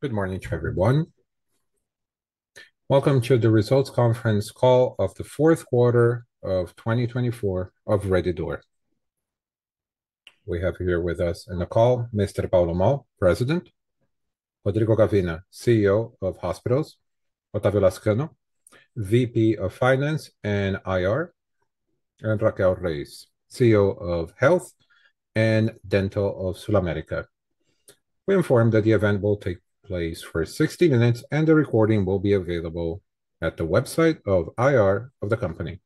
Good morning to everyone. Welcome to the Results Conference call of the fourth quarter of 2024 of Rede D'Or. We have here with us in the call, Mr. Paulo Moll, President; Rodrigo Davino, CEO of Hospitals; Otávio Lazcano, VP of Finance and IR; and Raquel Reyes, CEO of Health and Dental of SulAmérica. We inform that the event will take place for 60 minutes, and the recording will be available at the website of IR of the company.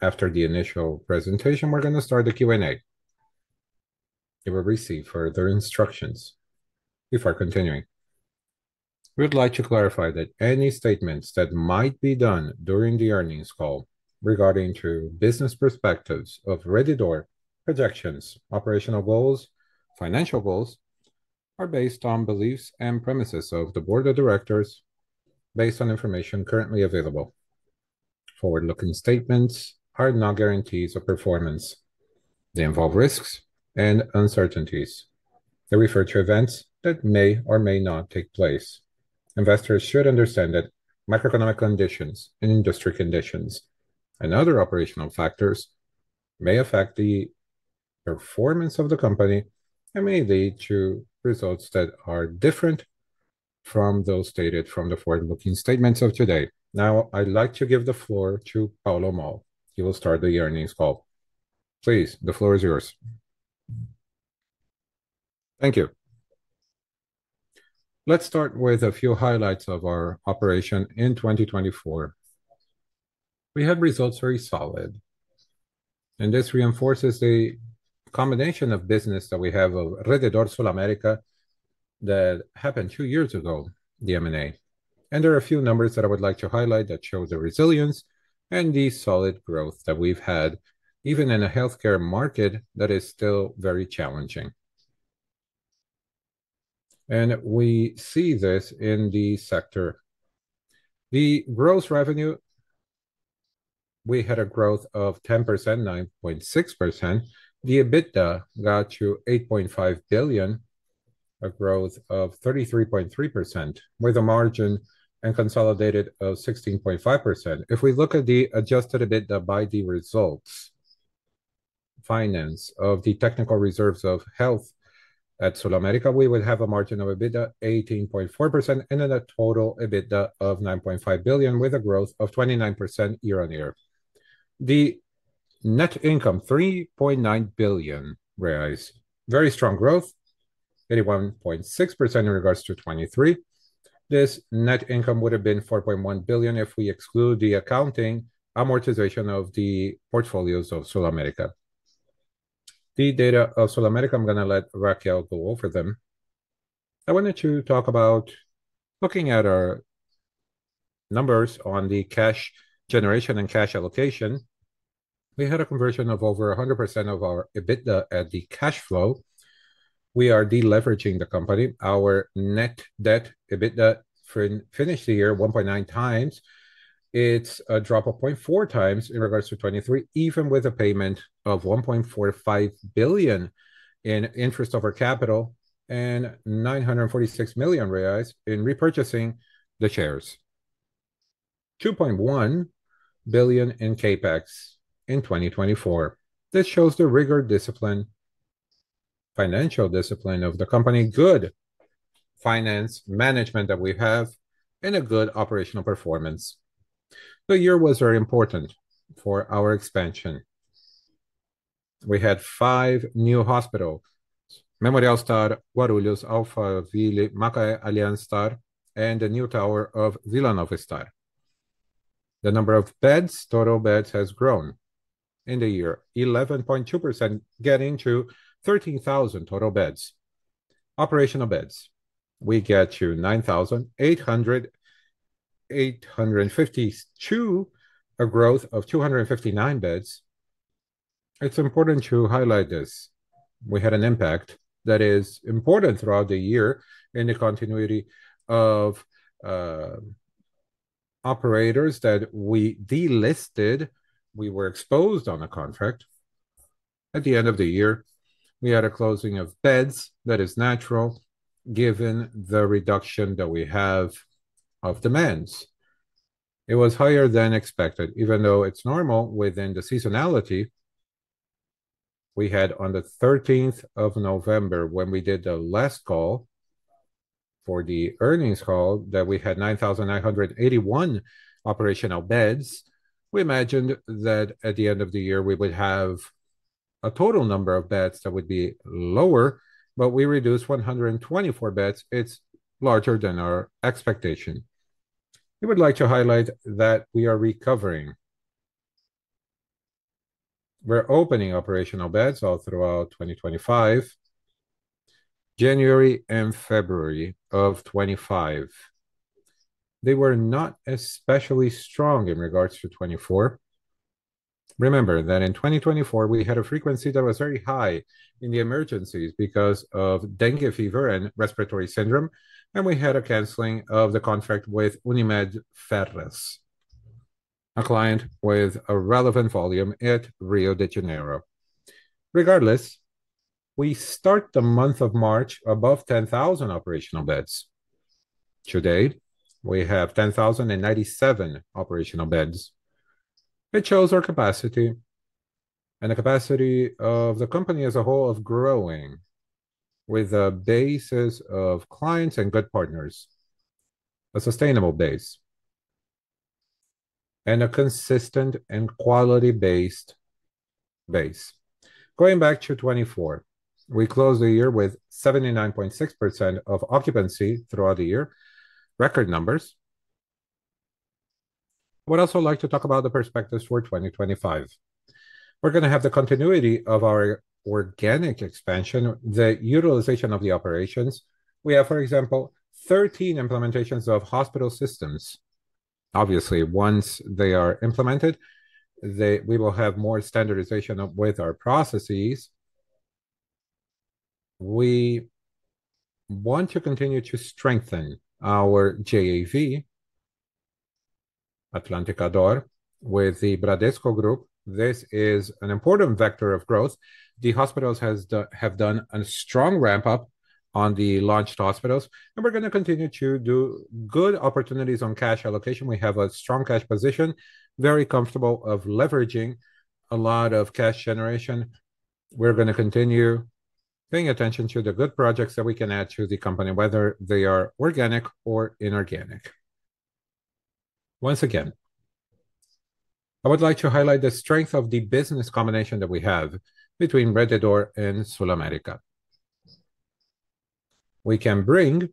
After the initial presentation, we're going to start the Q&A. You will receive further instructions before continuing. We would like to clarify that any statements that might be done during the earnings call regarding business perspectives of Rede D'Or, projections, operational goals, and financial goals are based on beliefs and premises of the board of directors based on information currently available. Forward-looking statements are not guarantees of performance. They involve risks and uncertainties. They refer to events that may or may not take place. Investors should understand that macroeconomic conditions and industry conditions and other operational factors may affect the performance of the company and may lead to results that are different from those stated from the forward-looking statements of today. Now, I'd like to give the floor to Paulo Moll. He will start the earnings call. Please, the floor is yours. Thank you. Let's start with a few highlights of our operation in 2024. We had results very solid, and this reinforces the combination of business that we have of Rede D'Or SulAmérica that happened two years ago, the M&A. There are a few numbers that I would like to highlight that show the resilience and the solid growth that we've had, even in a healthcare market that is still very challenging. We see this in the sector. The gross revenue, we had a growth of 10%, 9.6%. The EBITDA got to 8.5 billion, a growth of 33.3%, with a consolidated margin of 16.5%. If we look at the adjusted EBITDA by the results, finance of the technical reserves of health at SulAmérica, we would have a margin of EBITDA 18.4% and a total EBITDA of 9.5 billion, with a growth of 29% year-on-year. The net income, 3.9 billion, very strong growth, 81.6% in regards to 2023. This net income would have been 4.1 billion if we exclude the accounting amortization of the portfolios of SulAmérica. The data of SulAmérica, I am going to let Raquel go over them. I wanted to talk about looking at our numbers on the cash generation and cash allocation. We had a conversion of over 100% of our EBITDA at the cash flow. We are deleveraging the company. Our net debt/EBITDA finished the year 1.9 times. It's a drop of 0.4 times in regards to 2023, even with a payment of 1.45 billion in interest over capital and 946 million reais in repurchasing the shares, 2.1 billion in CAPEX in 2024. This shows the rigor, discipline, financial discipline of the company, good finance management that we have, and a good operational performance. The year was very important for our expansion. We had five new hospitals, Memorial Star Guarulhos, Alphaville, Macaé Alliance Star, and a new tower of Villanova Star. The number of beds, total beds, has grown in the year, 11.2%, getting to 13,000 total beds. Operational beds, we get to 9,852, a growth of 259 beds. It's important to highlight this. We had an impact that is important throughout the year in the continuity of operators that we delisted. We were exposed on a contract. At the end of the year, we had a closing of beds. That is natural, given the reduction that we have of demands. It was higher than expected, even though it's normal within the seasonality. We had, on the 13th of November, when we did the last call for the earnings call, that we had 9,981 operational beds. We imagined that at the end of the year, we would have a total number of beds that would be lower, but we reduced 124 beds. It's larger than our expectation. We would like to highlight that we are recovering. We're opening operational beds all throughout 2025, January and February of 2025. They were not especially strong in regards to 2024. Remember that in 2024, we had a frequency that was very high in the emergencies because of dengue fever and respiratory syndrome, and we had a canceling of the contract with Unimed FEJ, a client with a relevant volume at Rio de Janeiro. Regardless, we start the month of March above 10,000 operational beds. Today, we have 10,097 operational beds. It shows our capacity and the capacity of the company as a whole of growing with a basis of clients and good partners, a sustainable base, and a consistent and quality-based base. Going back to 2024, we closed the year with 79.6% of occupancy throughout the year, record numbers. I would also like to talk about the perspectives for 2025. We're going to have the continuity of our organic expansion, the utilization of the operations. We have, for example, 13 implementations of hospital systems. Obviously, once they are implemented, we will have more standardization with our processes. We want to continue to strengthen our JAV, Atlântica D'Or, with the Bradesco Group. This is an important vector of growth. The hospitals have done a strong ramp-up on the launched hospitals, and we're going to continue to do good opportunities on cash allocation. We have a strong cash position, very comfortable with leveraging a lot of cash generation. We're going to continue paying attention to the good projects that we can add to the company, whether they are organic or inorganic. Once again, I would like to highlight the strength of the business combination that we have between Rede D'Or and SulAmérica. We can bring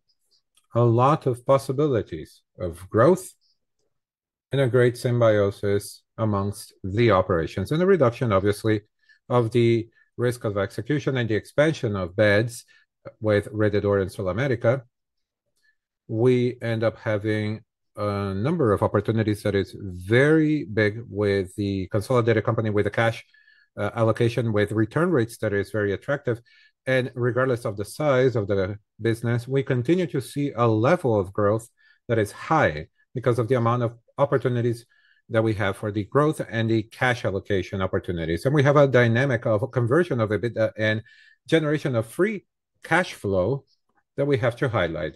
a lot of possibilities of growth and a great symbiosis amongst the operations and the reduction, obviously, of the risk of execution and the expansion of beds with Rede D'Or and SulAmérica. We end up having a number of opportunities that are very big with the consolidated company, with the cash allocation, with return rates that are very attractive. Regardless of the size of the business, we continue to see a level of growth that is high because of the amount of opportunities that we have for the growth and the cash allocation opportunities. We have a dynamic of conversion of EBITDA and generation of free cash flow that we have to highlight.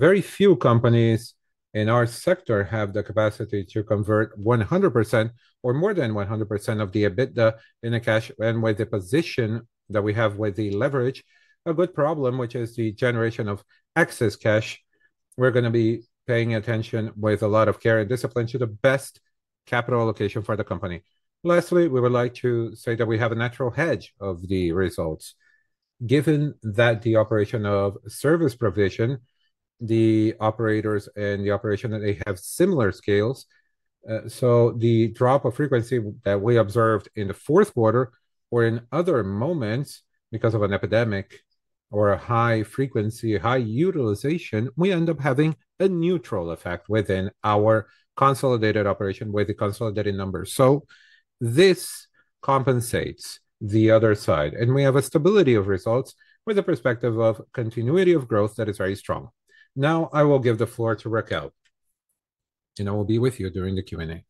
Very few companies in our sector have the capacity to convert 100% or more than 100% of the EBITDA in cash, and with the position that we have with the leverage, a good problem, which is the generation of excess cash. We're going to be paying attention with a lot of care and discipline to the best capital allocation for the company. Lastly, we would like to say that we have a natural hedge of the results. Given that the operation of service provision, the operators and the operation that they have similar scales, the drop of frequency that we observed in the fourth quarter or in other moments because of an epidemic or a high frequency, high utilization, we end up having a neutral effect within our consolidated operation with the consolidated numbers. This compensates the other side, and we have a stability of results with the perspective of continuity of growth that is very strong. Now, I will give the floor to Raquel, and I will be with you during the Q&A.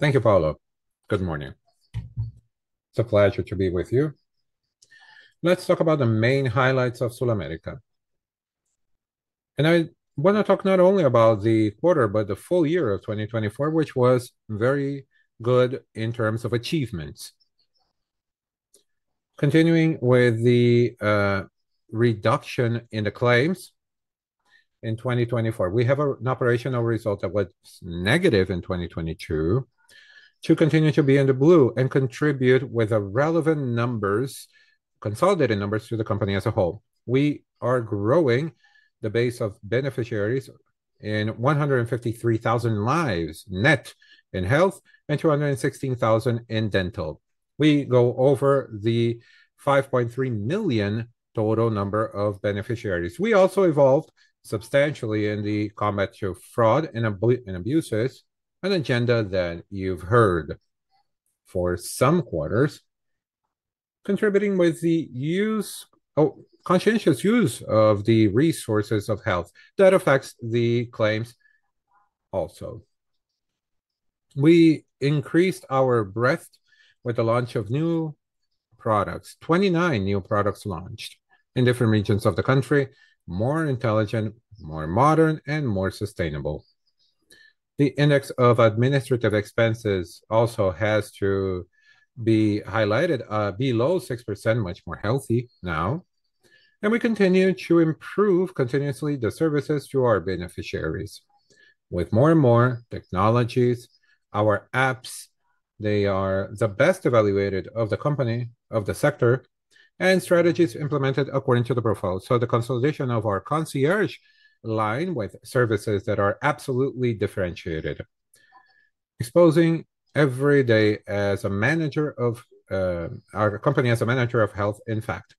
Thank you, Paulo. Good morning. It's a pleasure to be with you. Let's talk about the main highlights of SulAmérica. I want to talk not only about the quarter, but the full year of 2024, which was very good in terms of achievements. Continuing with the reduction in the claims in 2024, we have an operational result that was negative in 2022 to continue to be in the blue and contribute with relevant numbers, consolidated numbers to the company as a whole. We are growing the base of beneficiaries in 153,000 lives net in health and 216,000 in dental. We go over the 5.3 million total number of beneficiaries. We also evolved substantially in the combat of fraud and abuses, an agenda that you've heard for some quarters, contributing with the conscientious use of the resources of health that affects the claims also. We increased our breadth with the launch of new products, 29 new products launched in different regions of the country, more intelligent, more modern, and more sustainable. The index of administrative expenses also has to be highlighted below 6%, much more healthy now. We continue to improve continuously the services to our beneficiaries with more and more technologies, our apps. They are the best evaluated of the company, of the sector, and strategies implemented according to the profile. The consolidation of our Concierge Line with services that are absolutely differentiated, exposing every day as a manager of our company, as a manager of health, in fact.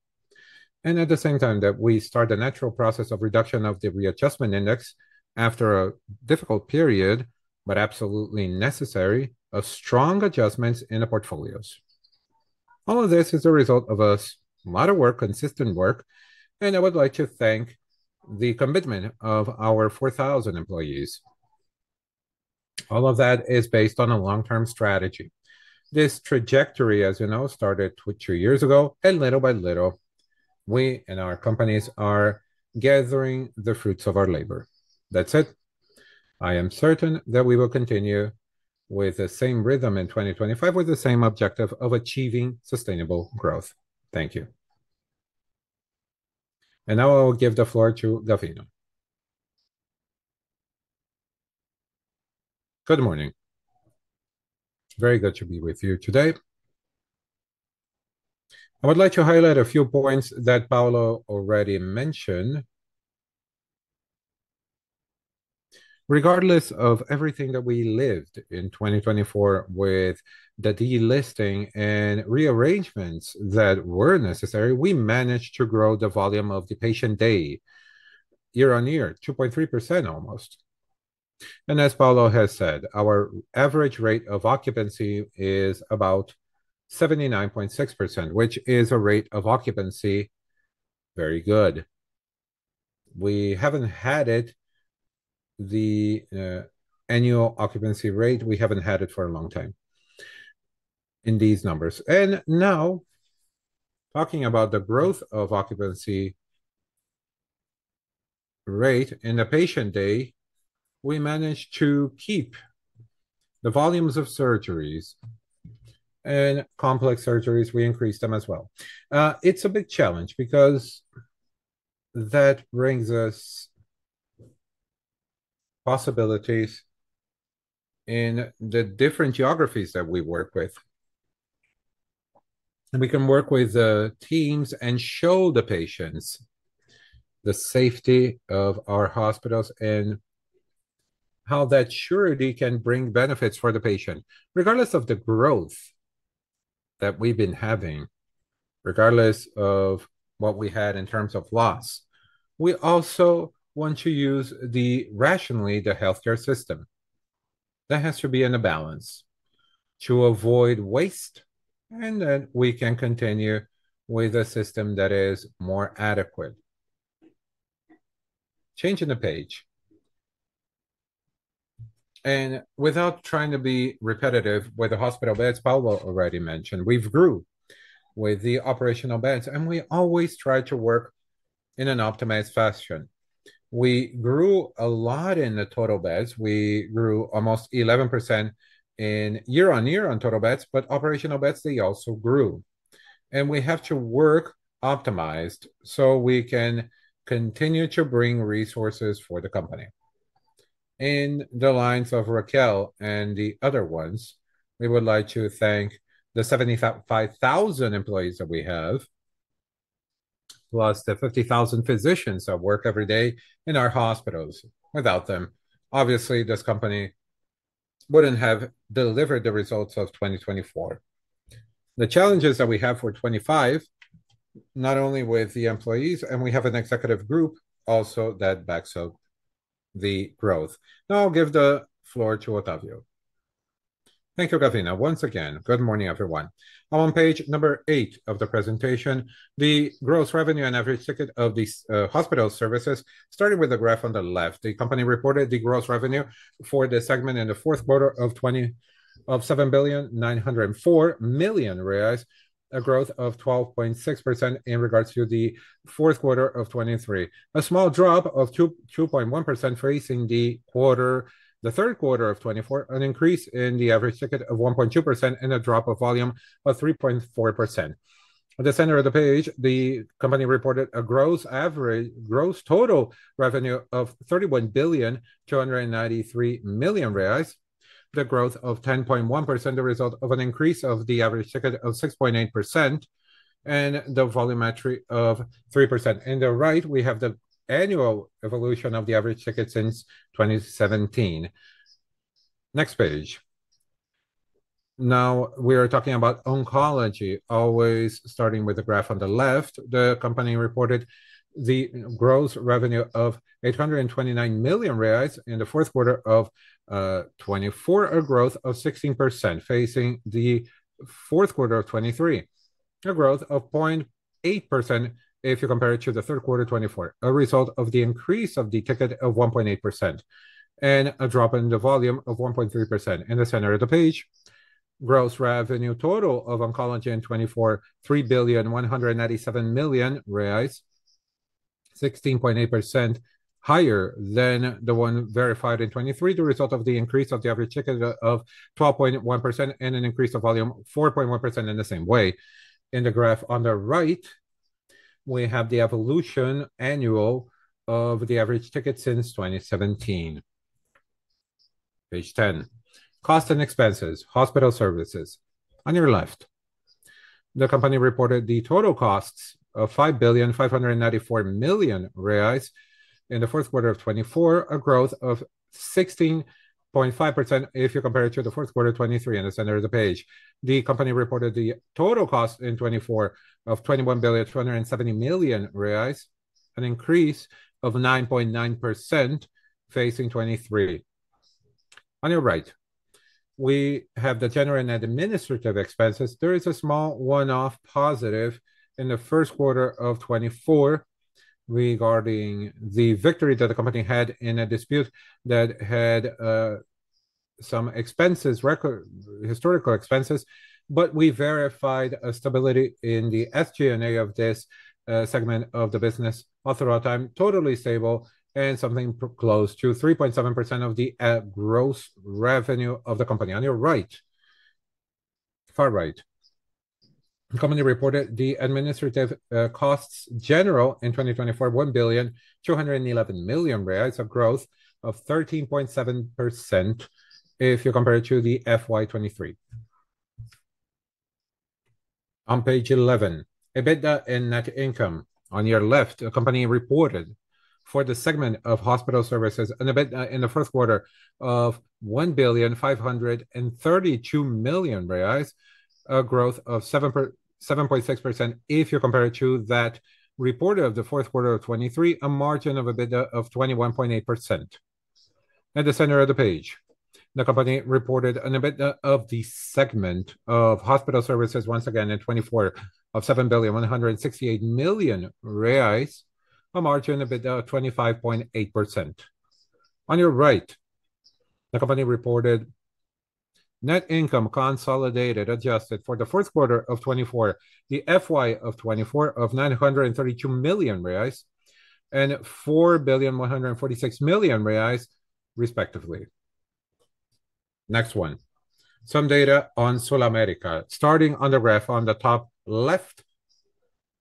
At the same time, we start a natural process of reduction of the readjustment index after a difficult period, but absolutely necessary of strong adjustments in the portfolios. All of this is the result of a lot of work, consistent work, and I would like to thank the commitment of our 4,000 employees. All of that is based on a long-term strategy. This trajectory, as you know, started two years ago, and little by little, we and our companies are gathering the fruits of our labor. That's it. I am certain that we will continue with the same rhythm in 2025 with the same objective of achieving sustainable growth. Thank you. Now I will give the floor to Davino. Good morning. Very good to be with you today. I would like to highlight a few points that Paulo already mentioned. Regardless of everything that we lived in 2024 with the delisting and rearrangements that were necessary, we managed to grow the volume of the patient day year on year, 2.3% almost. As Paulo has said, our average rate of occupancy is about 79.6%, which is a rate of occupancy very good. We have not had it, the annual occupancy rate. We have not had it for a long time in these numbers. Now talking about the growth of occupancy rate in the patient day, we managed to keep the volumes of surgeries and complex surgeries. We increased them as well. It is a big challenge because that brings us possibilities in the different geographies that we work with. We can work with the teams and show the patients the safety of our hospitals and how that surely can bring benefits for the patient. Regardless of the growth that we've been having, regardless of what we had in terms of loss, we also want to use rationally the healthcare system. That has to be in a balance to avoid waste, and we can continue with a system that is more adequate. Changing the page. Without trying to be repetitive with the hospital beds, Paulo already mentioned, we've grew with the operational beds, and we always try to work in an optimized fashion. We grew a lot in the total beds. We grew almost 11% year on year on total beds, but operational beds, they also grew. We have to work optimized so we can continue to bring resources for the company. In the lines of Raquel and the other ones, we would like to thank the 75,000 employees that we have, plus the 50,000 physicians that work every day in our hospitals. Without them, obviously, this company would not have delivered the results of 2024. The challenges that we have for 2025, not only with the employees, and we have an executive group also that backs up the growth. Now I will give the floor to Otávio. Thank you, Davino. Once again, good morning, everyone. On page number eight of the presentation, the gross revenue and average ticket of these hospital services started with a graph on the left. The company reported the gross revenue for the segment in the fourth quarter of 2027, 1.904 billion, a growth of 12.6% in regards to the fourth quarter of 2023. A small drop of 2.1% facing the quarter, the third quarter of 2024, an increase in the average ticket of 1.2% and a drop of volume of 3.4%. At the center of the page, the company reported a gross total revenue of 31 billion 293 million, the growth of 10.1%, the result of an increase of the average ticket of 6.8%, and the volumetry of 3%. On the right, we have the annual evolution of the average ticket since 2017. Next page. Now we are talking about oncology, always starting with the graph on the left. The company reported the gross revenue of 829 million reais in the fourth quarter of 2024, a growth of 16% facing the fourth quarter of 2023, a growth of 0.8% if you compare it to the third quarter 2024, a result of the increase of the ticket of 1.8% and a drop in the volume of 1.3%. In the center of the page, gross revenue total of oncology in 2024, 3 billion 197 million, 16.8% higher than the one verified in 2023, the result of the increase of the average ticket of 12.1% and an increase of volume of 4.1% in the same way. In the graph on the right, we have the evolution annual of the average ticket since 2017. Page 10, cost and expenses, hospital services. On your left, the company reported the total costs of 5.594 billion in the fourth quarter of 2024, a growth of 16.5% if you compare it to the fourth quarter 2023. In the center of the page, the company reported the total cost in 2024 of 21.270 billion, an increase of 9.9% facing 2023. On your right, we have the general and administrative expenses. There is a small one-off positive in the first quarter of 2024 regarding the victory that the company had in a dispute that had some historical expenses, but we verified a stability in the SG&A of this segment of the business throughout time, totally stable and something close to 3.7% of the gross revenue of the company. On your right, far right, the company reported the administrative costs general in 2024, 1 billion 211 million of growth of 13.7% if you compare it to the FY 2023. On page 11, EBITDA and net income. On your left, a company reported for the segment of hospital services an EBITDA in the first quarter of 1 billion 532 million, a growth of 7.6% if you compare it to that reported of the fourth quarter of 2023, a margin of EBITDA of 21.8%. At the center of the page, the company reported an EBITDA of the segment of hospital services once again in 2024 of 7 billion reais 168 million, a margin of EBITDA of 25.8%. On your right, the company reported net income consolidated, adjusted for the fourth quarter of 2024, the FY of 2024 of 932 million reais and 4 billion 146 million, respectively. Next one, some data on SulAmérica. Starting on the graph on the top left,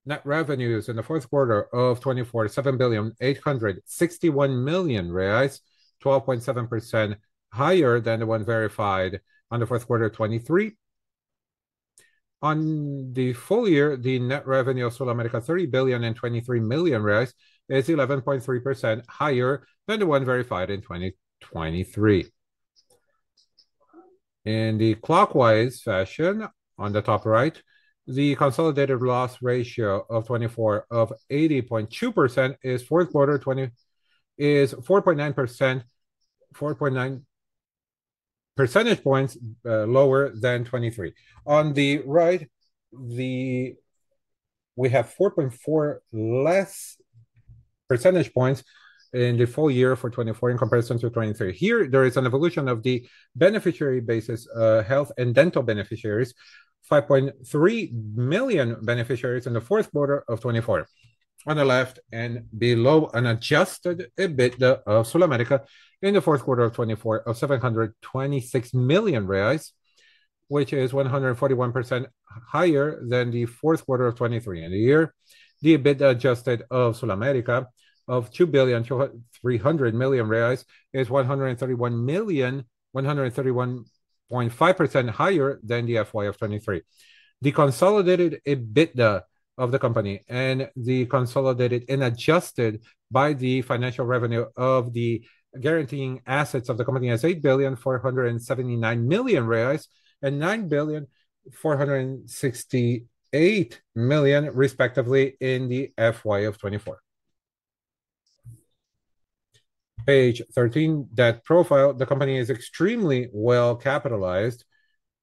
net revenues in the fourth quarter of 2024, 7.861 billion, 12.7% higher than the one verified in the fourth quarter of 2023. On the full year, the net revenue of SulAmérica, 30.023 billion, is 11.3% higher than the one verified in 2023. In the clockwise fashion, on the top right, the consolidated loss ratio of 2024 of 80.2% in the fourth quarter is 4.9 percentage points lower than 2023. On the right, we have 4.4 less percentage points in the full year for 2024 in comparison to 2023. Here, there is an evolution of the beneficiary basis, health and dental beneficiaries, 5.3 million beneficiaries in the fourth quarter of 2024. On the left and below, an adjusted EBITDA of SulAmérica in the fourth quarter of 2024 of 726 million reais, which is 141% higher than the fourth quarter of 2023. In a year, the EBITDA adjusted of SulAmérica of 2.3 billion is 131.5% higher than the full year of 2023. The consolidated EBITDA of the company and the consolidated and adjusted by the financial revenue of the guaranteeing assets of the company is 8.479 billion and 9.468 billion, respectively, in the full year of 2024. Page 13, that profile, the company is extremely well capitalized,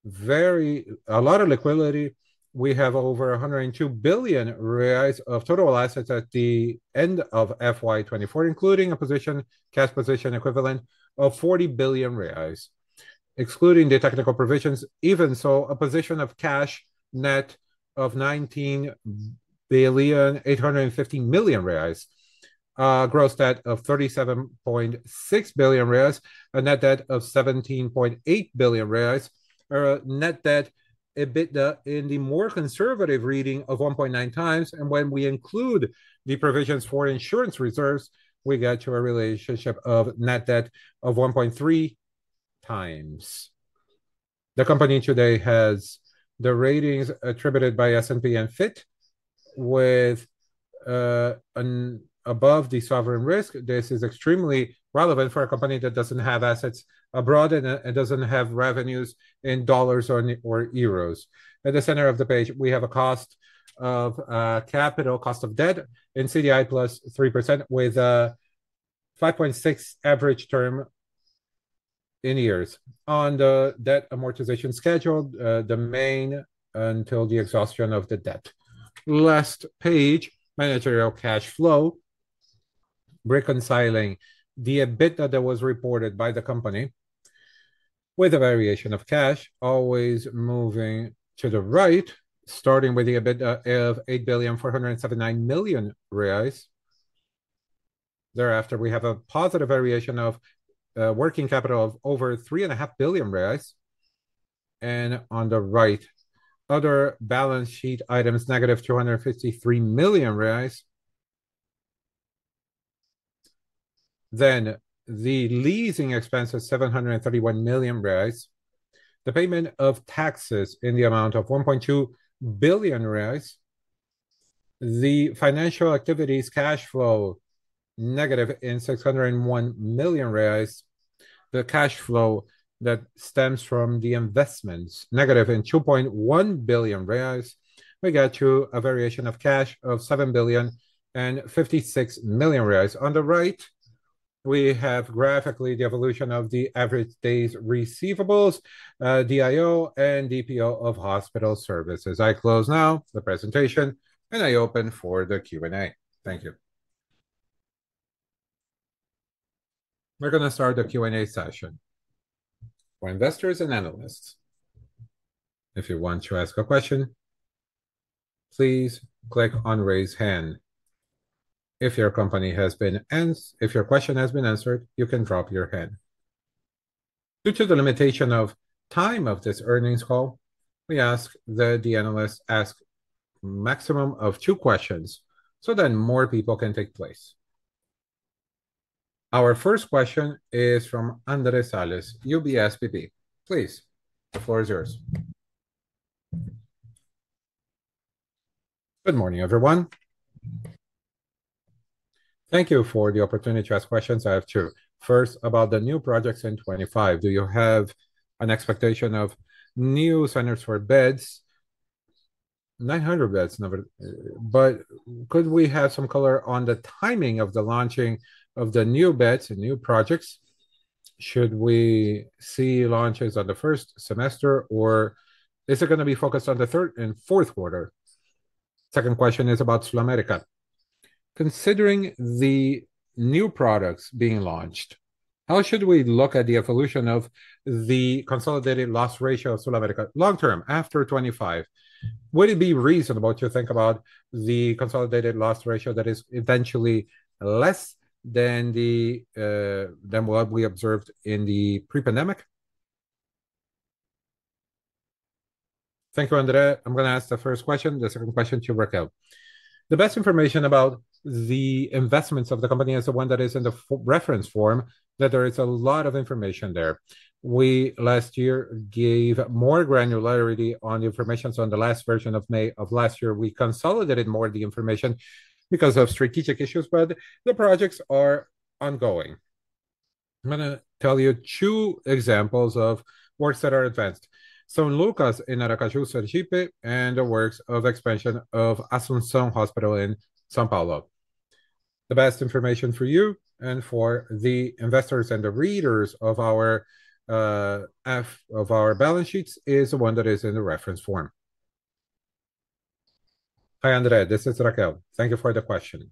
very a lot of liquidity. We have over 102 billion reais of total assets at the end of full year 2024, including a position, cash position equivalent of 40 billion reais. Excluding the technical provisions, even so, a position of cash net of 19.85 billion, a gross debt of 37.6 billion reais, a net debt of 17.8 billion reais, a net debt EBITDA in the more conservative reading of 1.9 times. When we include the provisions for insurance reserves, we get to a relationship of net debt of 1.3 times. The company today has the ratings attributed by S&P and Fitch with above the sovereign risk. This is extremely relevant for a company that doesn't have assets abroad and doesn't have revenues in dollars or euros. At the center of the page, we have a cost of capital, cost of debt in CDI plus 3% with a 5.6 average term in years. On the debt amortization schedule, the main until the exhaustion of the debt. Last page, managerial cash flow, reconciling the EBITDA that was reported by the company with a variation of cash, always moving to the right, starting with the EBITDA of 8 billion 479 million. Thereafter, we have a positive variation of working capital of over 3.5 billion reais. On the right, other balance sheet items, negative 253 million reais. The leasing expenses, 731 million reais, the payment of taxes in the amount of 1.2 billion reais, the financial activities cash flow negative in 601 million reais, the cash flow that stems from the investments negative in 2.1 billion reais, we get to a variation of cash of 7 billion 56 million. On the right, we have graphically the evolution of the average days receivables, DIO and DPO of hospital services. I close now the presentation and I open for the Q&A. Thank you. We're going to start the Q&A session. For investors and analysts, if you want to ask a question, please click on raise hand. If your question has been answered, you can drop your hand. Due to the limitation of time of this earnings call, we ask that the analysts ask a maximum of two questions so that more people can take place. Our first question is from Andres Sales, UBSPB. Please, the floor is yours. Good morning, everyone. Thank you for the opportunity to ask questions. I have two. First, about the new projects in 2025. Do you have an expectation of new centers for beds? 900 beds, but could we have some color on the timing of the launching of the new beds, new projects? Should we see launches on the first semester, or is it going to be focused on the third and fourth quarter? Second question is about SulAmérica. Considering the new products being launched, how should we look at the evolution of the consolidated loss ratio of SulAmérica long term after 2025? Would it be reasonable to think about the consolidated loss ratio that is eventually less than what we observed in the pre-pandemic? Thank you, Andrea. I'm going to ask the first question, the second question to Raquel. The best information about the investments of the company is the one that is in the reference form, that there is a lot of information there. We last year gave more granularity on the information. On the last version of May of last year, we consolidated more of the information because of strategic issues, but the projects are ongoing. I'm going to tell you two examples of works that are advanced. São Lucas in Aracaju, Sergipe, and the works of expansion of Asunción Hospital in São Paulo. The best information for you and for the investors and the readers of our balance sheets is the one that is in the reference form. Hi, Andrea, this is Raquel. Thank you for the question.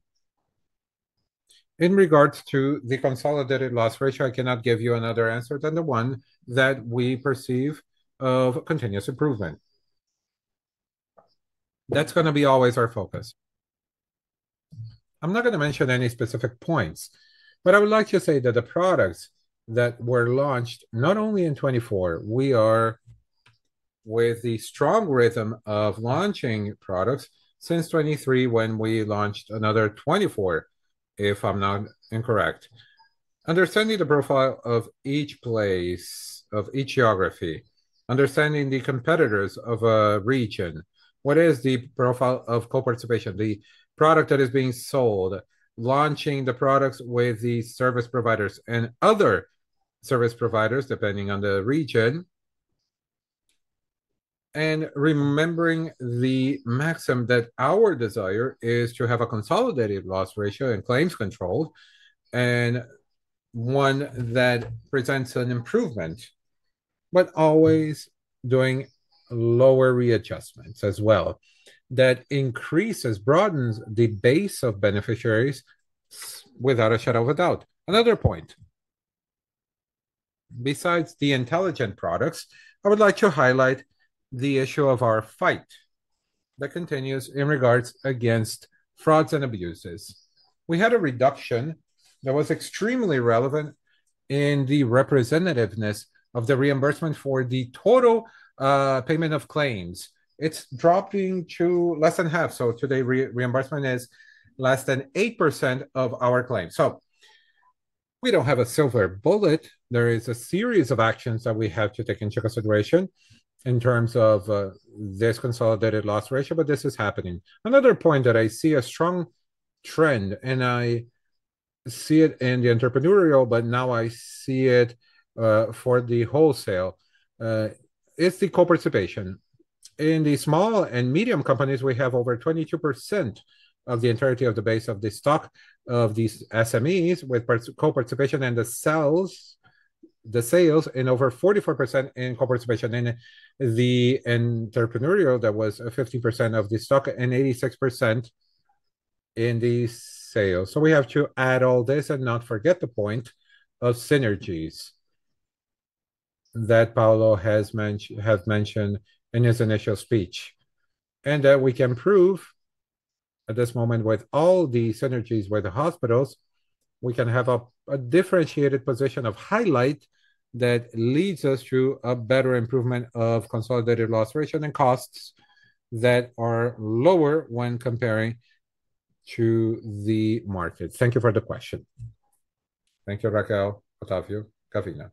In regards to the consolidated loss ratio, I cannot give you another answer than the one that we perceive of continuous improvement. That's going to be always our focus. I'm not going to mention any specific points, but I would like to say that the products that were launched not only in 2024, we are with the strong rhythm of launching products since 2023 when we launched another 2024, if I'm not incorrect. Understanding the profile of each place, of each geography, understanding the competitors of a region, what is the profile of co-participation, the product that is being sold, launching the products with the service providers and other service providers depending on the region, and remembering the maxim that our desire is to have a consolidated loss ratio and claims control and one that presents an improvement, but always doing lower readjustments as well that increases, broadens the base of beneficiaries without a shadow of a doubt. Another point, besides the intelligent products, I would like to highlight the issue of our fight that continues in regards against frauds and abuses. We had a reduction that was extremely relevant in the representativeness of the reimbursement for the total payment of claims. It's dropping to less than half. Today, reimbursement is less than 8% of our claims. We do not have a silver bullet. There is a series of actions that we have to take into consideration in terms of this consolidated loss ratio, but this is happening. Another point that I see a strong trend, and I see it in the entrepreneurial, but now I see it for the wholesale, is the co-participation. In the small and medium companies, we have over 22% of the entirety of the base of the stock of these SMEs with co-participation and the sales, the sales in over 44% in co-participation in the entrepreneurial that was 50% of the stock and 86% in the sales. We have to add all this and not forget the point of synergies that Paulo has mentioned in his initial speech. That we can prove at this moment with all the synergies with the hospitals, we can have a differentiated position of highlight that leads us to a better improvement of consolidated loss ratio and costs that are lower when comparing to the markets. Thank you for the question. Thank you, Raquel, Otávio, Gavina.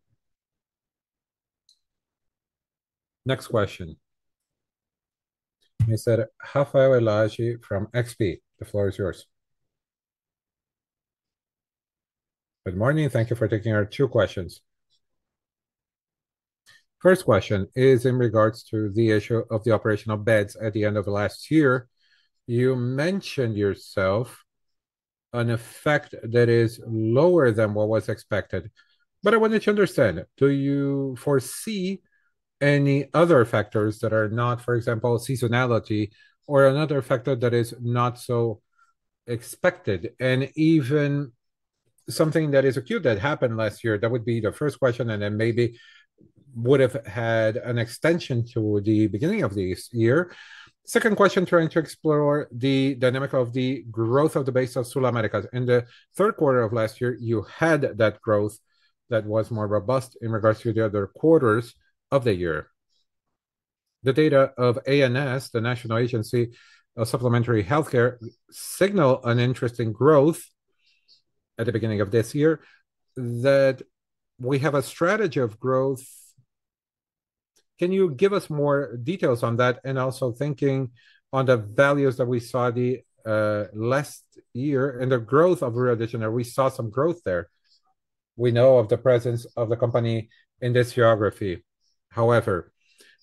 Next question. I said Rafael Elagi from XP. The floor is yours. Good morning. Thank you for taking our two questions. First question is in regards to the issue of the operational beds at the end of last year. You mentioned yourself an effect that is lower than what was expected, but I wanted to understand, do you foresee any other factors that are not, for example, seasonality or another factor that is not so expected and even something that is acute that happened last year? That would be the first question, and then maybe would have had an extension to the beginning of this year. Second question, trying to explore the dynamic of the growth of the base of SulAmérica. In the third quarter of last year, you had that growth that was more robust in regards to the other quarters of the year. The data of ANS, the National Agency of Supplementary Healthcare, signal an interesting growth at the beginning of this year that we have a strategy of growth. Can you give us more details on that? Also thinking on the values that we saw last year and the growth of Rio de Janeiro, we saw some growth there. We know of the presence of the company in this geography. However,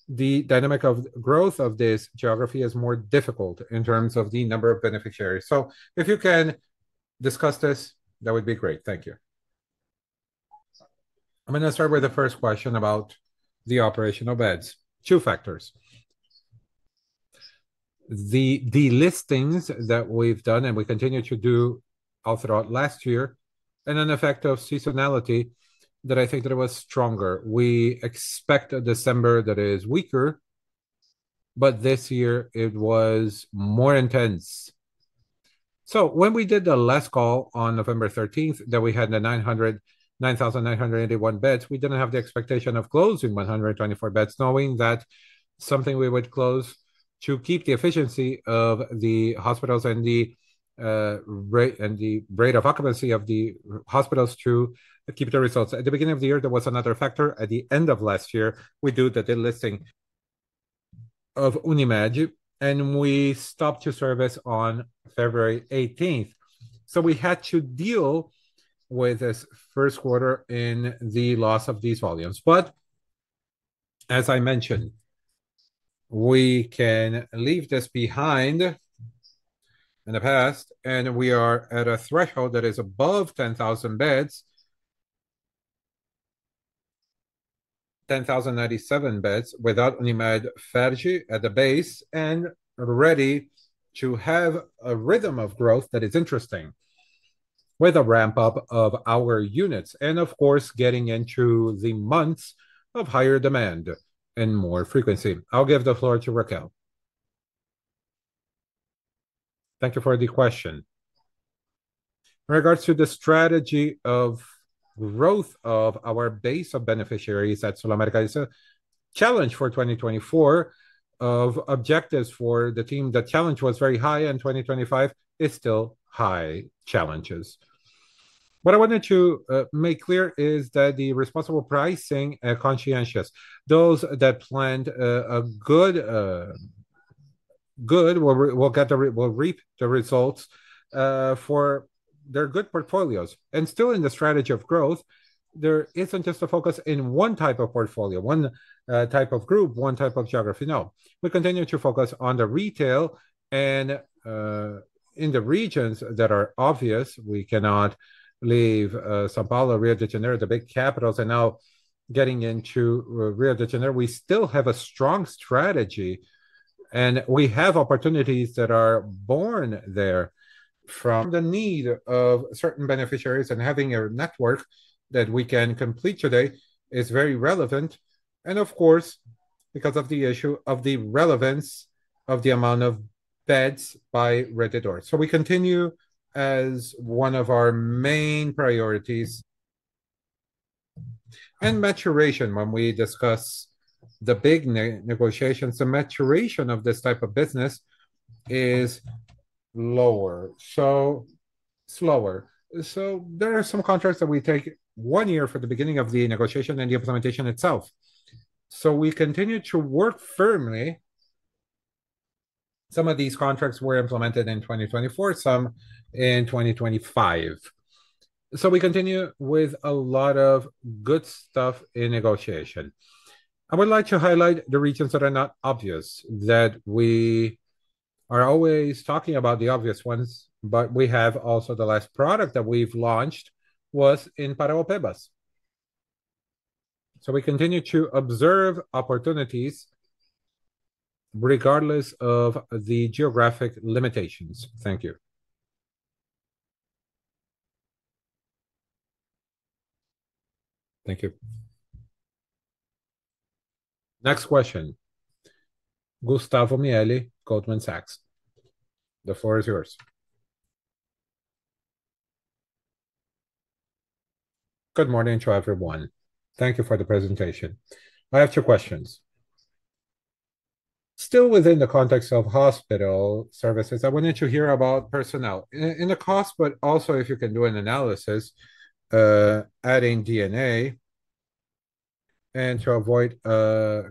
the dynamic of growth of this geography is more difficult in terms of the number of beneficiaries. If you can discuss this, that would be great. Thank you. I'm going to start with the first question about the operational beds. Two factors. The listings that we've done and we continue to do all throughout last year and an effect of seasonality that I think that it was stronger. We expect a December that is weaker, but this year it was more intense. When we did the last call on November 13 that we had the 9,981 beds, we didn't have the expectation of closing 124 beds, knowing that something we would close to keep the efficiency of the hospitals and the rate of occupancy of the hospitals to keep the results. At the beginning of the year, there was another factor. At the end of last year, we do the listing of Unimed, and we stopped to service on February 18. We had to deal with this first quarter in the loss of these volumes. As I mentioned, we can leave this behind in the past, and we are at a threshold that is above 10,000 beds, 10,097 beds without Unimed FEJ at the base and ready to have a rhythm of growth that is interesting with a ramp-up of our units and, of course, getting into the months of higher demand and more frequency. I'll give the floor to Raquel. Thank you for the question. In regards to the strategy of growth of our base of beneficiaries at SulAmérica, it's a challenge for 2024 of objectives for the team. The challenge was very high, and 2025 is still high challenges. What I wanted to make clear is that the responsible pricing conscientious, those that planned good will reap the results for their good portfolios. Still in the strategy of growth, there isn't just a focus in one type of portfolio, one type of group, one type of geography. No, we continue to focus on the retail and in the regions that are obvious. We cannot leave São Paulo, Rio de Janeiro, the big capitals, and now getting into Rio de Janeiro. We still have a strong strategy, and we have opportunities that are born there from the need of certain beneficiaries, and having a network that we can complete today is very relevant. Of course, because of the issue of the relevance of the amount of beds by Rede D'Or. We continue as one of our main priorities. Maturation, when we discuss the big negotiations, the maturation of this type of business is lower, so slower. There are some contracts that we take one year for the beginning of the negotiation and the implementation itself. We continue to work firmly. Some of these contracts were implemented in 2024, some in 2025. We continue with a lot of good stuff in negotiation. I would like to highlight the regions that are not obvious, that we are always talking about the obvious ones, but we have also the last product that we have launched was in Parauapebas. We continue to observe opportunities regardless of the geographic limitations. Thank you. Thank you. Next question. Gustavo Miele, Goldman Sachs. The floor is yours. Good morning to everyone. Thank you for the presentation. I have two questions. Still within the context of hospital services, I wanted to hear about personnel. In the cost, but also if you can do an analysis, adding DNA and to avoid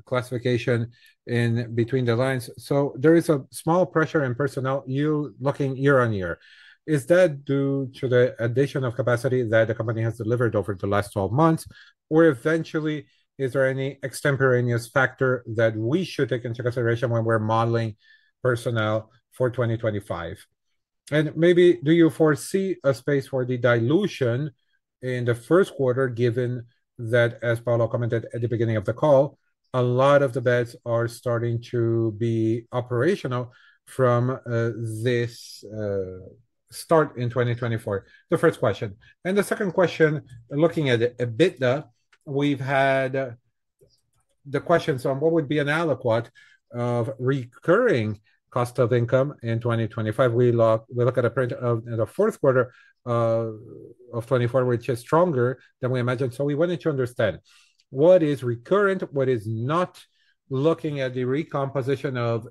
classification in between the lines. There is a small pressure in personnel you are looking year on year. Is that due to the addition of capacity that the company has delivered over the last 12 months, or eventually, is there any extemporaneous factor that we should take into consideration when we are modeling personnel for 2025? Maybe do you foresee a space for the dilution in the first quarter, given that, as Paulo commented at the beginning of the call, a lot of the beds are starting to be operational from this start in 2024? The first question. The second question, looking at EBITDA, we have had the questions on what would be an aliquot of recurring cost of income in 2025. We look at a print of the fourth quarter of 2024, which is stronger than we imagined. We wanted to understand what is recurrent, what is not, looking at the recomposition of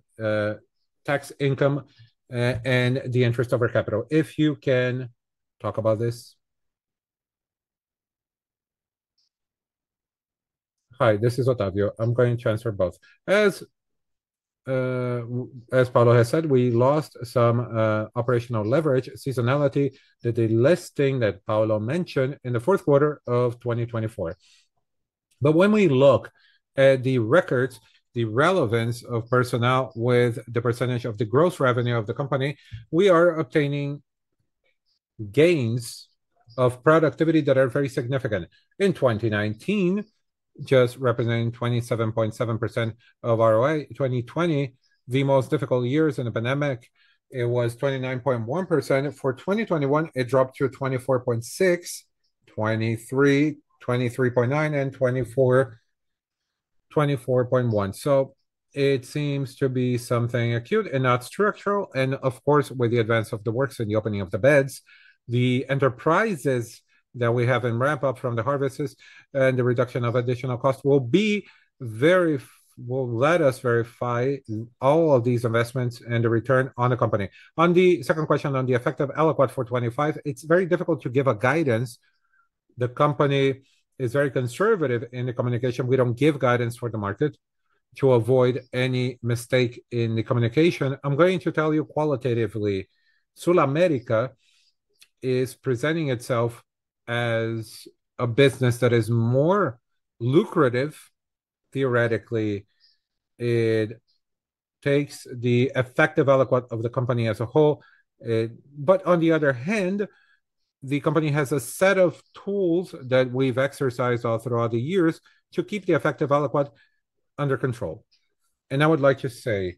tax income and the interest over capital. If you can talk about this. Hi, this is Otávio. I'm going to answer both. As Paulo has said, we lost some operational leverage, seasonality, the listing that Paulo mentioned in the fourth quarter of 2024. When we look at the records, the relevance of personnel with the percentage of the gross revenue of the company, we are obtaining gains of productivity that are very significant. In 2019, just representing 27.7% of ROI. 2020, the most difficult years in the pandemic, it was 29.1%. For 2021, it dropped to 24.6, 2023, 23.9, and 2024, 24.1. It seems to be something acute and not structural. Of course, with the advance of the works and the opening of the beds, the enterprises that we have in ramp-up from the harvests and the reduction of additional costs will let us verify all of these investments and the return on the company. On the second question, on the effective aliquot for 2025, it's very difficult to give guidance. The company is very conservative in the communication. We don't give guidance for the market to avoid any mistake in the communication. I'm going to tell you qualitatively, SulAmérica is presenting itself as a business that is more lucrative. Theoretically, it takes the effective aliquot of the company as a whole. On the other hand, the company has a set of tools that we've exercised all throughout the years to keep the effective aliquot under control. I would like to say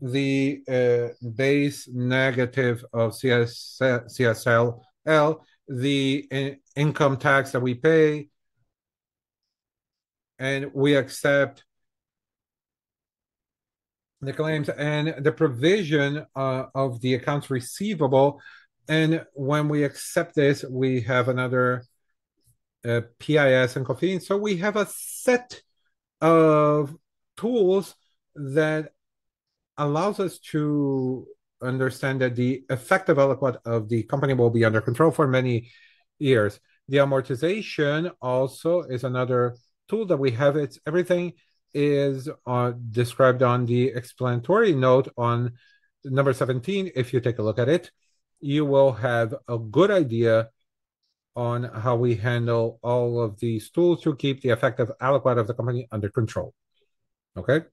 the base negative of CSLL, the income tax that we pay, and we accept the claims and the provision of the accounts receivable. When we accept this, we have another PIS and COFIN. We have a set of tools that allows us to understand that the effective aliquot of the company will be under control for many years. The amortization also is another tool that we have. Everything is described on the explanatory note on number 17. If you take a look at it, you will have a good idea on how we handle all of these tools to keep the effective aliquot of the company under control. Okay?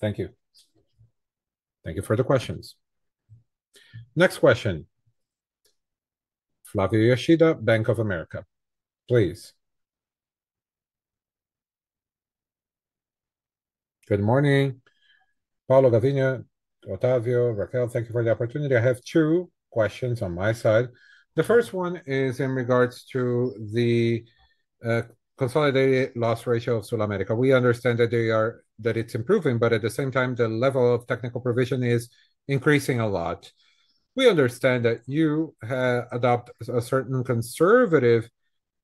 Thank you. Thank you for the questions. Next question. Flavio Yoshida, Bank of America. Please. Good morning. Paulo, Rodrigo, Otávio, Raquel, thank you for the opportunity. I have two questions on my side. The first one is in regards to the consolidated loss ratio of SulAmérica. We understand that it's improving, but at the same time, the level of technical provision is increasing a lot. We understand that you adopt a certain conservative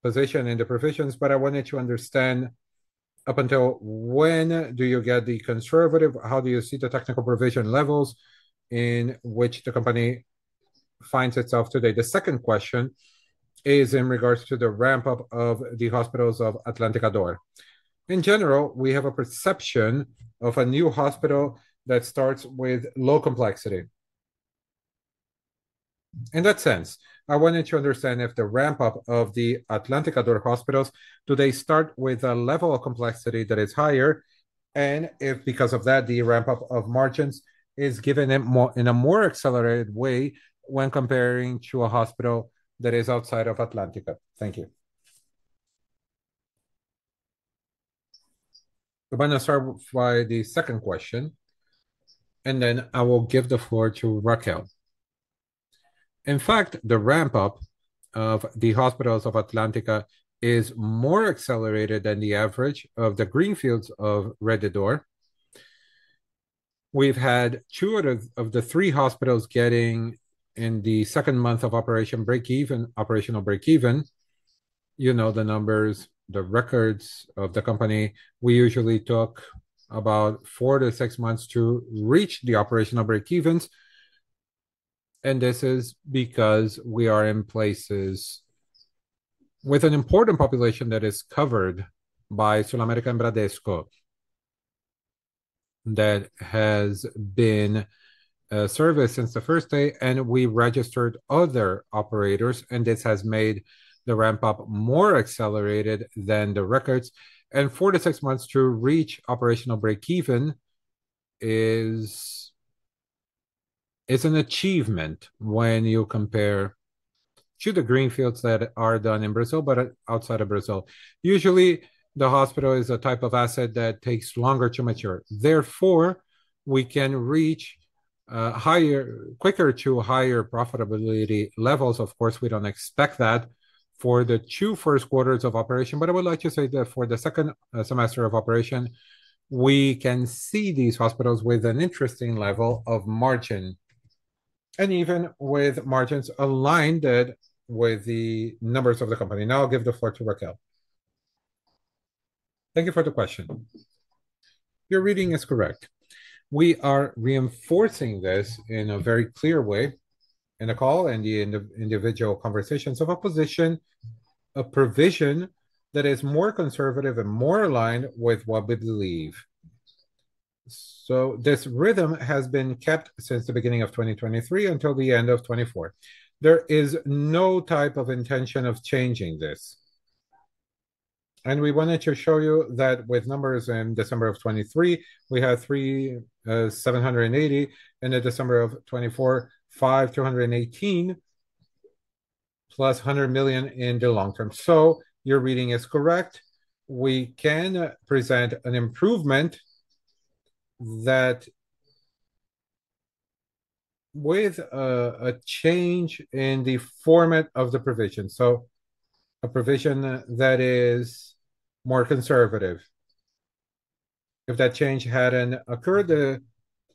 position in the provisions, but I wanted to understand up until when do you get the conservative? How do you see the technical provision levels in which the company finds itself today? The second question is in regards to the ramp-up of the hospitals of Atlântica D'Or. In general, we have a perception of a new hospital that starts with low complexity. In that sense, I wanted to understand if the ramp-up of the Atlântica D'Or hospitals today starts with a level of complexity that is higher, and if because of that, the ramp-up of margins is given in a more accelerated way when comparing to a hospital that is outside of Atlântica. Thank you. I'm going to start by the second question, and then I will give the floor to Raquel. In fact, the ramp-up of the hospitals of Atlântica is more accelerated than the average of the greenfields of Rede D'Or. We've had two out of the three hospitals getting in the second month of operation break-even, operational break-even. You know the numbers, the records of the company. We usually took about four to six months to reach the operational break-evens. This is because we are in places with an important population that is covered by SulAmérica and Bradesco that has been serviced since the first day, and we registered other operators, and this has made the ramp-up more accelerated than the records. Four to six months to reach operational break-even is an achievement when you compare to the greenfields that are done in Brazil, but outside of Brazil. Usually, the hospital is a type of asset that takes longer to mature. Therefore, we can reach quicker to higher profitability levels. Of course, we do not expect that for the two first quarters of operation, but I would like to say that for the second semester of operation, we can see these hospitals with an interesting level of margin and even with margins aligned with the numbers of the company. Now I will give the floor to Raquel. Thank you for the question. Your reading is correct. We are reinforcing this in a very clear way in the call and the individual conversations of a position, a provision that is more conservative and more aligned with what we believe. This rhythm has been kept since the beginning of 2023 until the end of 2024. There is no type of intention of changing this. We wanted to show you that with numbers. In December of 2023, we had 3,780, and in December of 2024, 5,218, plus 100 million in the long term. Your reading is correct. We can present an improvement with a change in the format of the provision, a provision that is more conservative. If that change had not occurred, the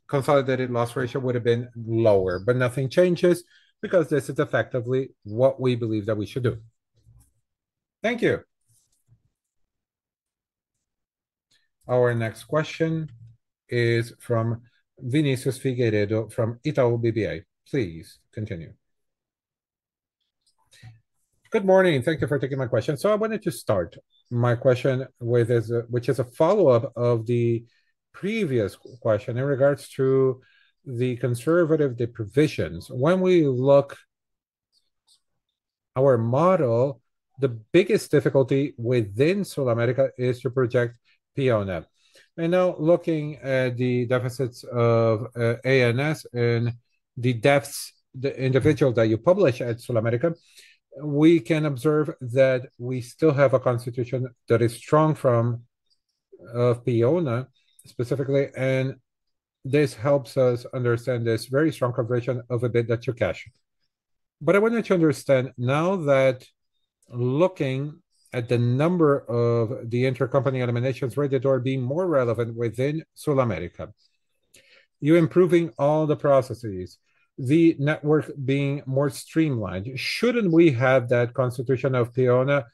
consolidated loss ratio would have been lower, but nothing changes because this is effectively what we believe that we should do. Thank you. Our next question is from Vinicius Figueiredo from Itaú BBA. Please continue. Good morning. Thank you for taking my question. I wanted to start my question, which is a follow-up of the previous question in regards to the conservative provisions. When we look at our model, the biggest difficulty within SulAmérica is to project PIONA. Now looking at the deficits of ANS and the individuals that you publish at SulAmérica, we can observe that we still have a constitution that is strong from PIONA specifically, and this helps us understand this very strong conversion of EBITDA to cash. I wanted to understand now that looking at the number of the intercompany eliminations Rede D'Or being more relevant within SulAmérica, you're improving all the processes, the network being more streamlined. Shouldn't we have that constitution of PIONA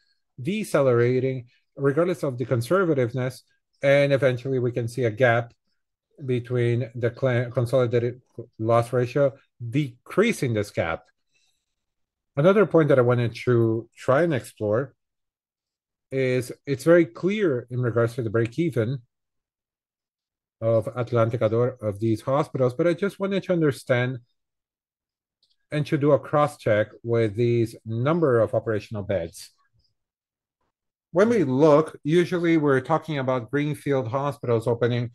decelerating regardless of the conservativeness? Eventually, we can see a gap between the consolidated loss ratio decreasing this gap. Another point that I wanted to try and explore is it's very clear in regards to the break-even of Atlântica D'Or of these hospitals, but I just wanted to understand and to do a cross-check with these number of operational beds. When we look, usually we're talking about greenfield hospitals opening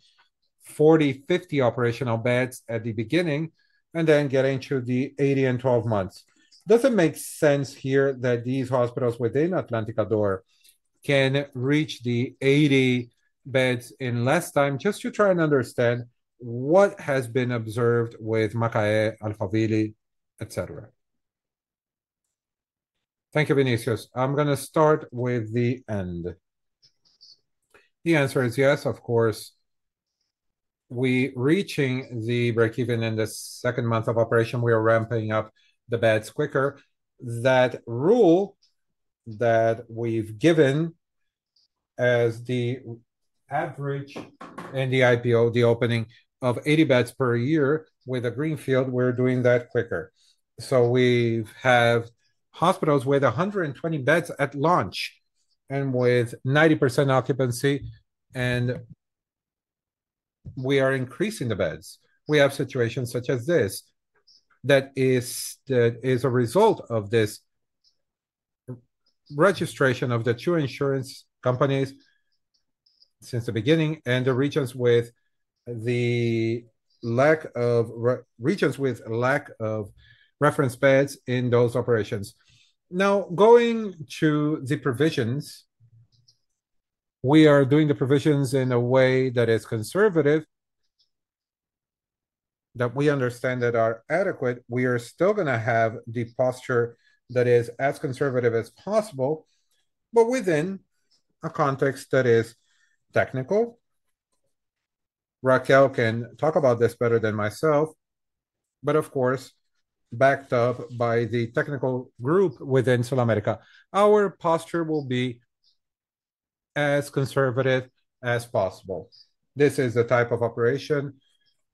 40-50 operational beds at the beginning and then getting to the 80 in 12 months. Does it make sense here that these hospitals within Atlântica D'Or can reach the 80 beds in less time? Just to try and understand what has been observed with Macaé, Alphaville, etc. Thank you, Vinicius. I'm going to start with the end. The answer is yes, of course. We're reaching the break-even in the second month of operation. We are ramping up the beds quicker. That rule that we've given as the average in the IPO, the opening of 80 beds per year with a greenfield, we're doing that quicker. We have hospitals with 120 beds at launch and with 90% occupancy, and we are increasing the beds. We have situations such as this that is a result of this registration of the two insurance companies since the beginning and the regions with the lack of reference beds in those operations. Now, going to the provisions, we are doing the provisions in a way that is conservative, that we understand that are adequate. We are still going to have the posture that is as conservative as possible, but within a context that is technical. Raquel can talk about this better than myself, but of course, backed up by the technical group within SulAmérica. Our posture will be as conservative as possible. This is the type of operation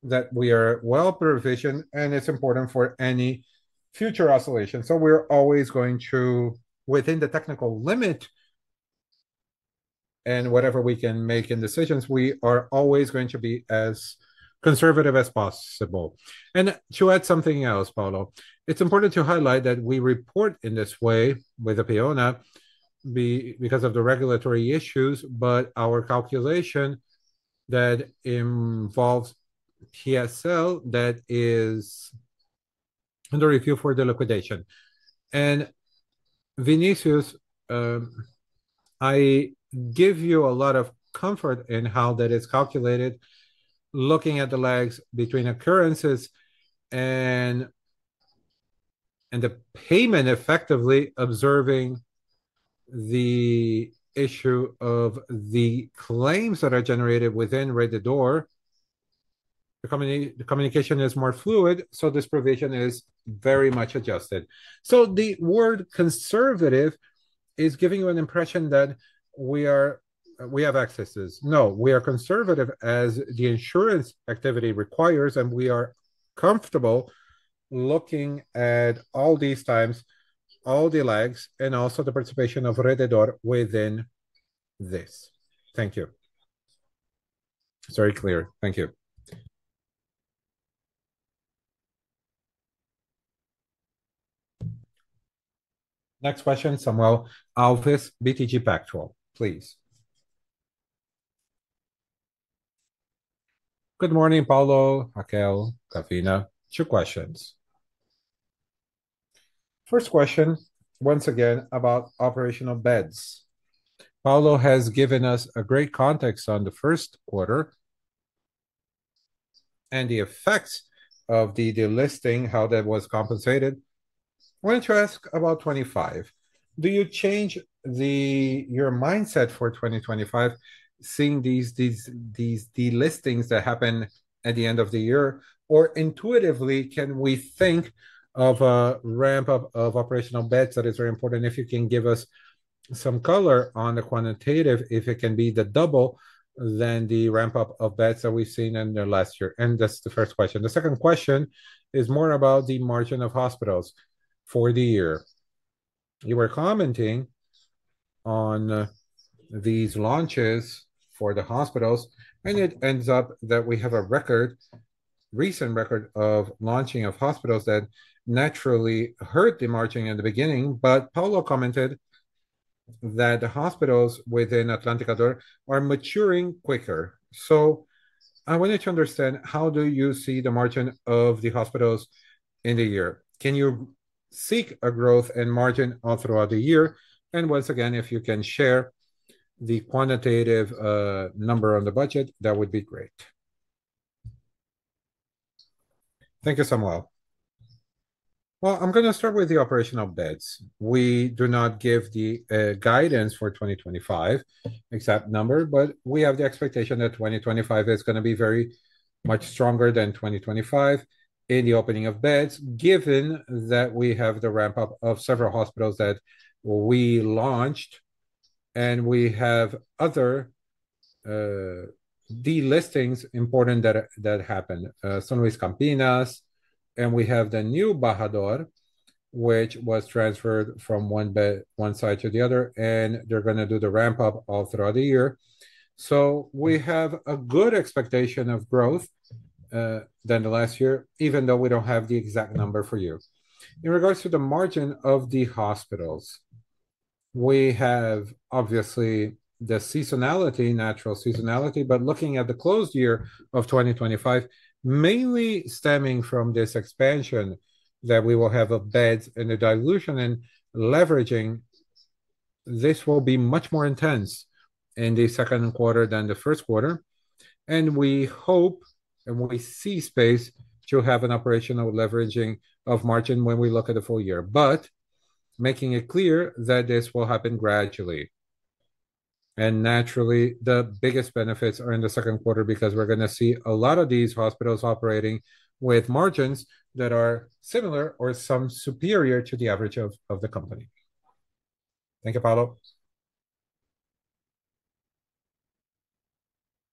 that we are well provisioned, and it's important for any future oscillation. We are always going to, within the technical limit and whatever we can make in decisions, we are always going to be as conservative as possible. To add something else, Paulo, it's important to highlight that we report in this way with the PIONA because of the regulatory issues, but our calculation that involves TSL that is under review for the liquidation. Vinicius, I give you a lot of comfort in how that is calculated, looking at the lags between occurrences and the payment effectively observing the issue of the claims that are generated within Rede D'Or. The communication is more fluid, so this provision is very much adjusted. The word conservative is giving you an impression that we have excesses. No, we are conservative as the insurance activity requires, and we are comfortable looking at all these times, all the lags, and also the participation of Rede D'Or within this. Thank you. Very clear. Thank you. Next question, Samuel Alves, BTG Pactual, please. Good morning, Paulo, Raquel, Gavina. Two questions. First question, once again, about operational beds. Paulo has given us a great context on the first quarter and the effects of the delisting, how that was compensated. I wanted to ask about 2025. Do you change your mindset for 2025, seeing these delistings that happen at the end of the year? Or intuitively, can we think of a ramp-up of operational beds that is very important? If you can give us some color on the quantitative, if it can be the double than the ramp-up of beds that we've seen in the last year. And that's the first question. The second question is more about the margin of hospitals for the year. You were commenting on these launches for the hospitals, and it ends up that we have a recent record of launching of hospitals that naturally hurt the margin in the beginning, but Paulo commented that the hospitals within Atlântica D'Or are maturing quicker. I wanted to understand how do you see the margin of the hospitals in the year? Can you seek a growth in margin throughout the year? Once again, if you can share the quantitative number on the budget, that would be great. Thank you, Samuel. I am going to start with the operational beds. We do not give the guidance for 2025, exact number, but we have the expectation that 2025 is going to be very much stronger than 2024 in the opening of beds, given that we have the ramp-up of several hospitals that we launched, and we have other delistings important that happened, São Luiz Campinas, and we have the new Barra D'Or, which was transferred from one side to the other, and they're going to do the ramp-up throughout the year. We have a good expectation of growth than the last year, even though we don't have the exact number for you. In regards to the margin of the hospitals, we have obviously the seasonality, natural seasonality, but looking at the closed year of 2025, mainly stemming from this expansion that we will have of beds and the dilution and leveraging, this will be much more intense in the second quarter than the first quarter. We hope and we see space to have an operational leveraging of margin when we look at the full year, but making it clear that this will happen gradually. Naturally, the biggest benefits are in the second quarter because we are going to see a lot of these hospitals operating with margins that are similar or some superior to the average of the company. Thank you, Paulo.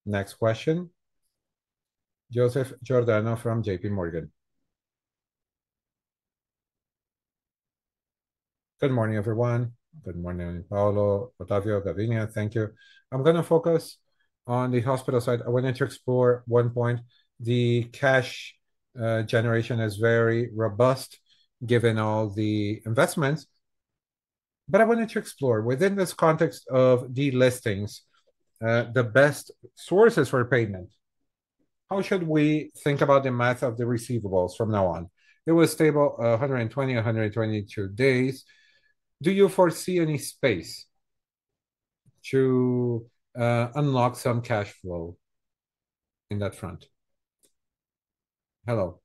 Next question, Joseph Giordano from JP Morgan. Good morning, everyone. Good morning, Paulo, Otávio, Gavina. Thank you. I'm going to focus on the hospital side. I wanted to explore one point. The cash generation is very robust given all the investments, but I wanted to explore within this context of delistings, the best sources for payment. How should we think about the math of the receivables from now on? It was stable 120-122 days. Do you foresee any space to unlock some cash flow in that front? Hello.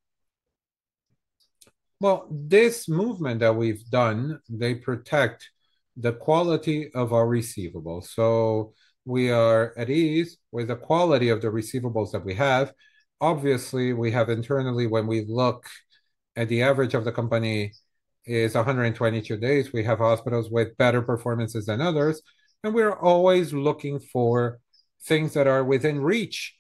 This movement that we've done, they protect the quality of our receivables. We are at ease with the quality of the receivables that we have. Obviously, we have internally, when we look at the average of the company is 122 days, we have hospitals with better performances than others, and we are always looking for things that are within reach,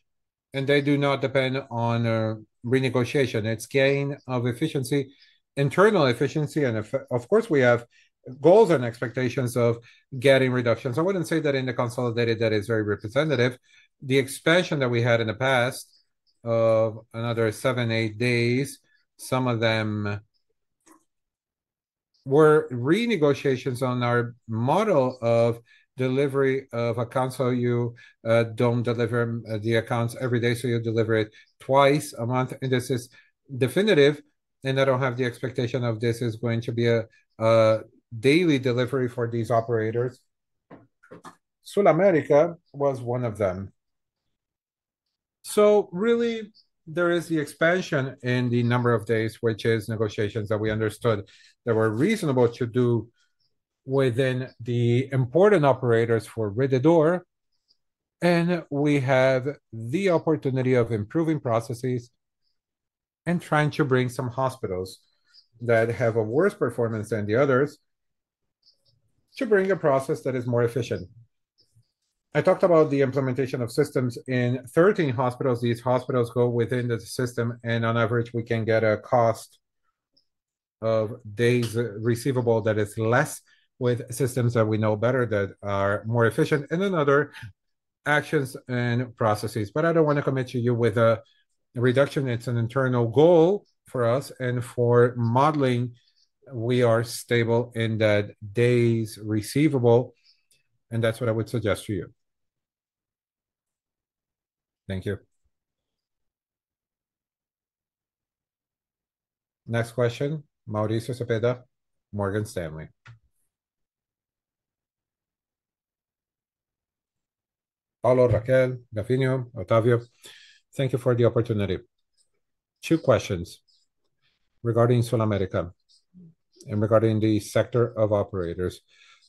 and they do not depend on renegotiation. It's gain of efficiency, internal efficiency, and of course, we have goals and expectations of getting reductions. I wouldn't say that in the consolidated that is very representative. The expansion that we had in the past of another seven, eight days, some of them were renegotiations on our model of delivery of accounts. You don't deliver the accounts every day, you deliver it twice a month. This is definitive, and I don't have the expectation of this is going to be a daily delivery for these operators. SulAmérica was one of them. There is the expansion in the number of days, which is negotiations that we understood that were reasonable to do within the important operators for Rede D'Or. We have the opportunity of improving processes and trying to bring some hospitals that have a worse performance than the others to bring a process that is more efficient. I talked about the implementation of systems in 13 hospitals. These hospitals go within the system, and on average, we can get a cost of days receivable that is less with systems that we know better that are more efficient and in other actions and processes. I do not want to commit to you with a reduction. It is an internal goal for us, and for modeling, we are stable in that days receivable, and that is what I would suggest to you. Thank you. Next question, Mauricio Zepeda, Morgan Stanley. Paulo, Raquel, Gavina, Otávio, thank you for the opportunity. Two questions regarding SulAmérica and regarding the sector of operators.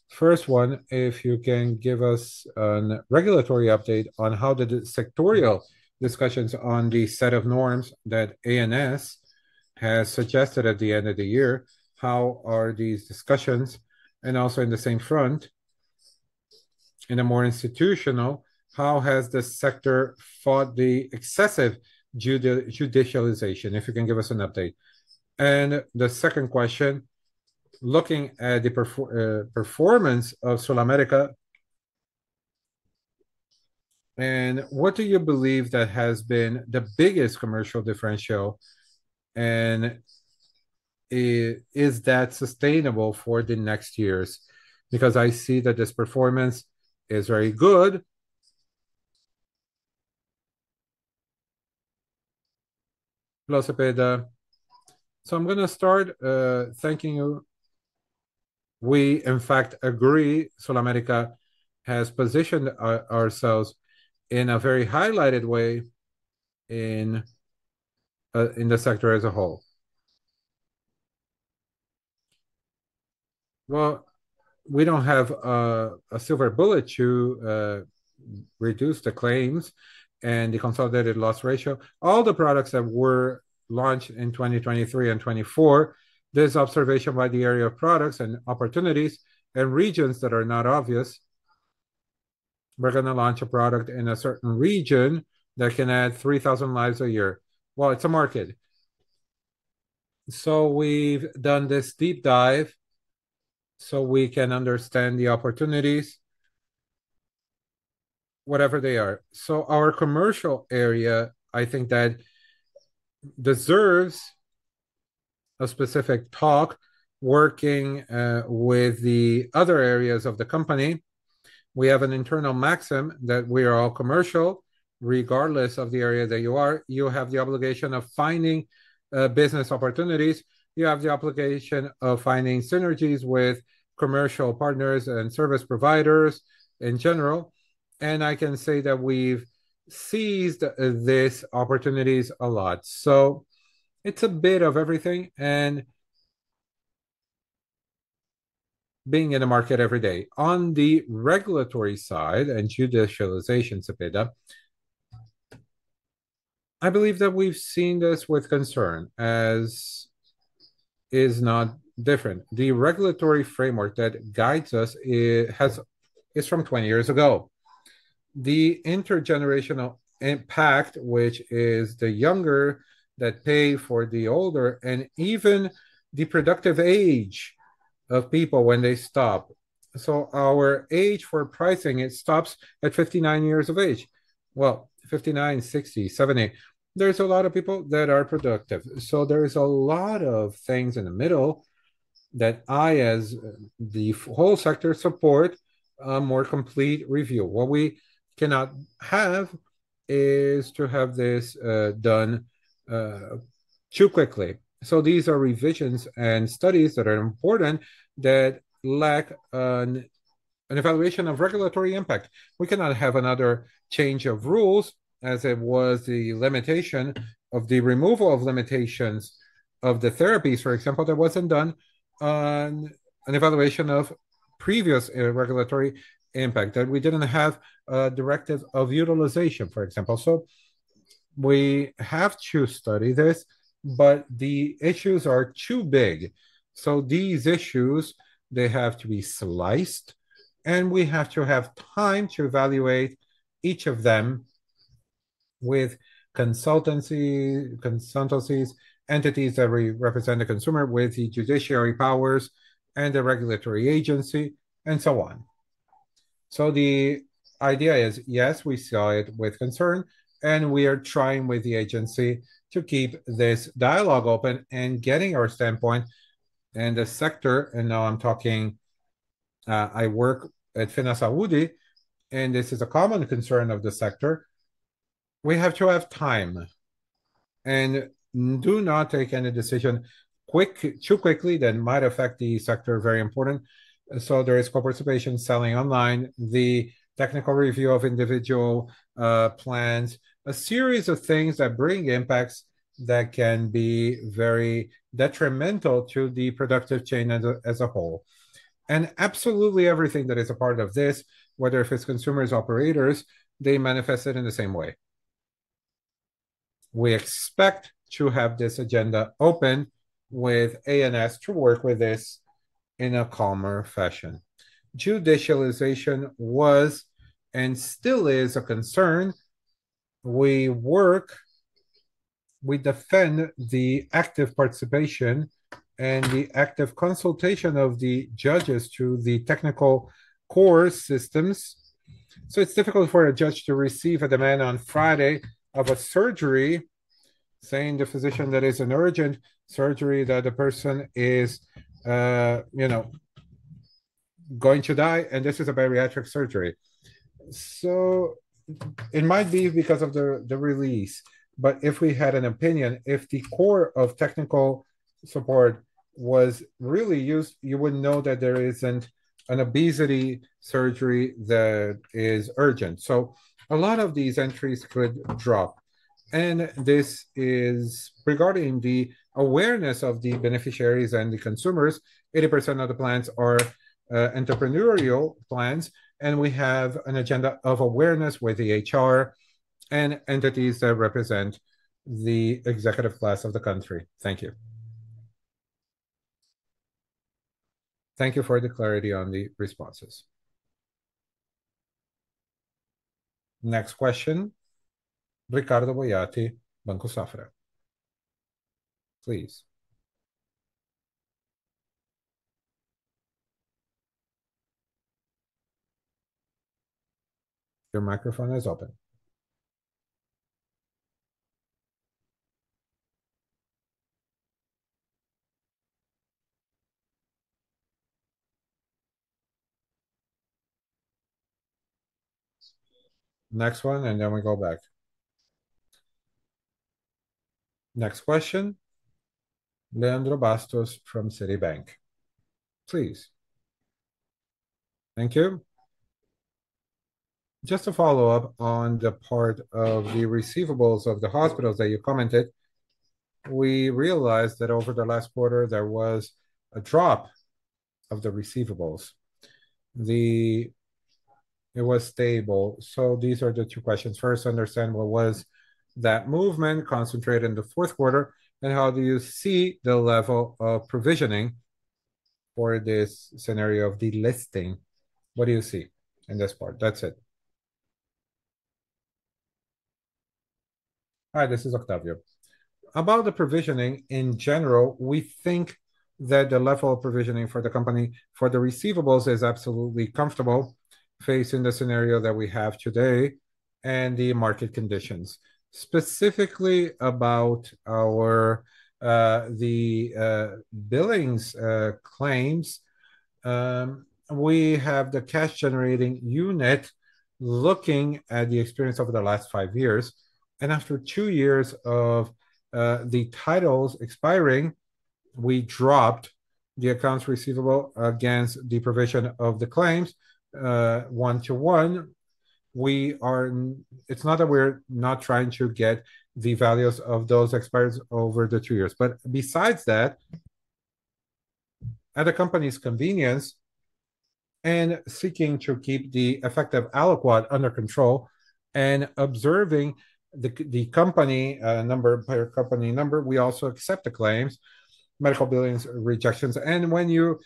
First one, if you can give us a regulatory update on how the sectorial discussions on the set of norms that ANS has suggested at the end of the year, how are these discussions? Also in the same front, in a more institutional, how has the sector fought the excessive judicialization, if you can give us an update? The second question, looking at the performance of SulAmérica, what do you believe has been the biggest commercial differential, and is that sustainable for the next years? Because I see that this performance is very good. Paulo Zepeda, so I'm going to start thanking you. We, in fact, agree SulAmérica has positioned ourselves in a very highlighted way in the sector as a whole. We do not have a silver bullet to reduce the claims and the consolidated loss ratio. All the products that were launched in 2023 and 2024, there is observation by the area of products and opportunities and regions that are not obvious. We are going to launch a product in a certain region that can add 3,000 lives a year. It's a market. We have done this deep dive so we can understand the opportunities, whatever they are. Our commercial area, I think that deserves a specific talk, working with the other areas of the company. We have an internal maxim that we are all commercial. Regardless of the area that you are, you have the obligation of finding business opportunities. You have the obligation of finding synergies with commercial partners and service providers in general. I can say that we have seized these opportunities a lot. It is a bit of everything and being in the market every day. On the regulatory side and judicialization, Zepeda, I believe that we have seen this with concern as is not different. The regulatory framework that guides us is from 20 years ago. The intergenerational impact, which is the younger that pay for the older and even the productive age of people when they stop. Our age for pricing, it stops at 59 years of age. Fifty-nine, 60, 70, there is a lot of people that are productive. There is a lot of things in the middle that I, as the whole sector, support a more complete review. What we cannot have is to have this done too quickly. These are revisions and studies that are important that lack an evaluation of regulatory impact. We cannot have another change of rules as it was the limitation of the removal of limitations of the therapies, for example, that was not done on an evaluation of previous regulatory impact that we did not have directive of utilization, for example. We have to study this, but the issues are too big. These issues, they have to be sliced, and we have to have time to evaluate each of them with consultancies, entities that represent the consumer, with the judiciary powers, and the regulatory agency and so on. The idea is, yes, we saw it with concern, and we are trying with the agency to keep this dialogue open and getting our standpoint and the sector. Now, I'm talking, I work at Financial Saúde, and this is a common concern of the sector. We have to have time and do not take any decision too quickly that might affect the sector. Very important. There is co-participation, selling online, the technical review of individual plans, a series of things that bring impacts that can be very detrimental to the productive chain as a whole. Absolutely everything that is a part of this, whether it's consumers or operators, they manifest it in the same way. We expect to have this agenda open with ANS to work with this in a calmer fashion. Judicialization was and still is a concern. We defend the active participation and the active consultation of the judges to the technical core systems. It is difficult for a judge to receive a demand on Friday for a surgery, with the physician saying that it is an urgent surgery, that the person is going to die, and this is a bariatric surgery. It might be because of the release, but if we had an opinion, if the core of technical support was really used, you would know that there is not an obesity surgery that is urgent. A lot of these entries could drop. This is regarding the awareness of the beneficiaries and the consumers. 80% of the plans are entrepreneurial plans, and we have an agenda of awareness with the HR and entities that represent the executive class of the country. Thank you. Thank you for the clarity on the responses. Next question, Ricardo Boyatti, Banco Safra. Please. Your microphone is open. Next one, and then we go back. Next question, Leandro Bastos from Citibank. Please. Thank you. Just to follow up on the part of the receivables of the hospitals that you commented, we realized that over the last quarter, there was a drop of the receivables. It was stable. These are the two questions. First, understand what was that movement concentrated in the fourth quarter, and how do you see the level of provisioning for this scenario of delisting? What do you see in this part? That's it. Hi, this is Otávio. About the provisioning in general, we think that the level of provisioning for the company for the receivables is absolutely comfortable facing the scenario that we have today and the market conditions. Specifically about the billings claims, we have the cash generating unit looking at the experience over the last five years. After two years of the titles expiring, we drop the accounts receivable against the provision of the claims one to one. It's not that we're not trying to get the values of those expired over the two years. Besides that, at a company's convenience and seeking to keep the effective aliquot under control and observing the company number, per company number, we also accept the claims, medical billings, rejections. When you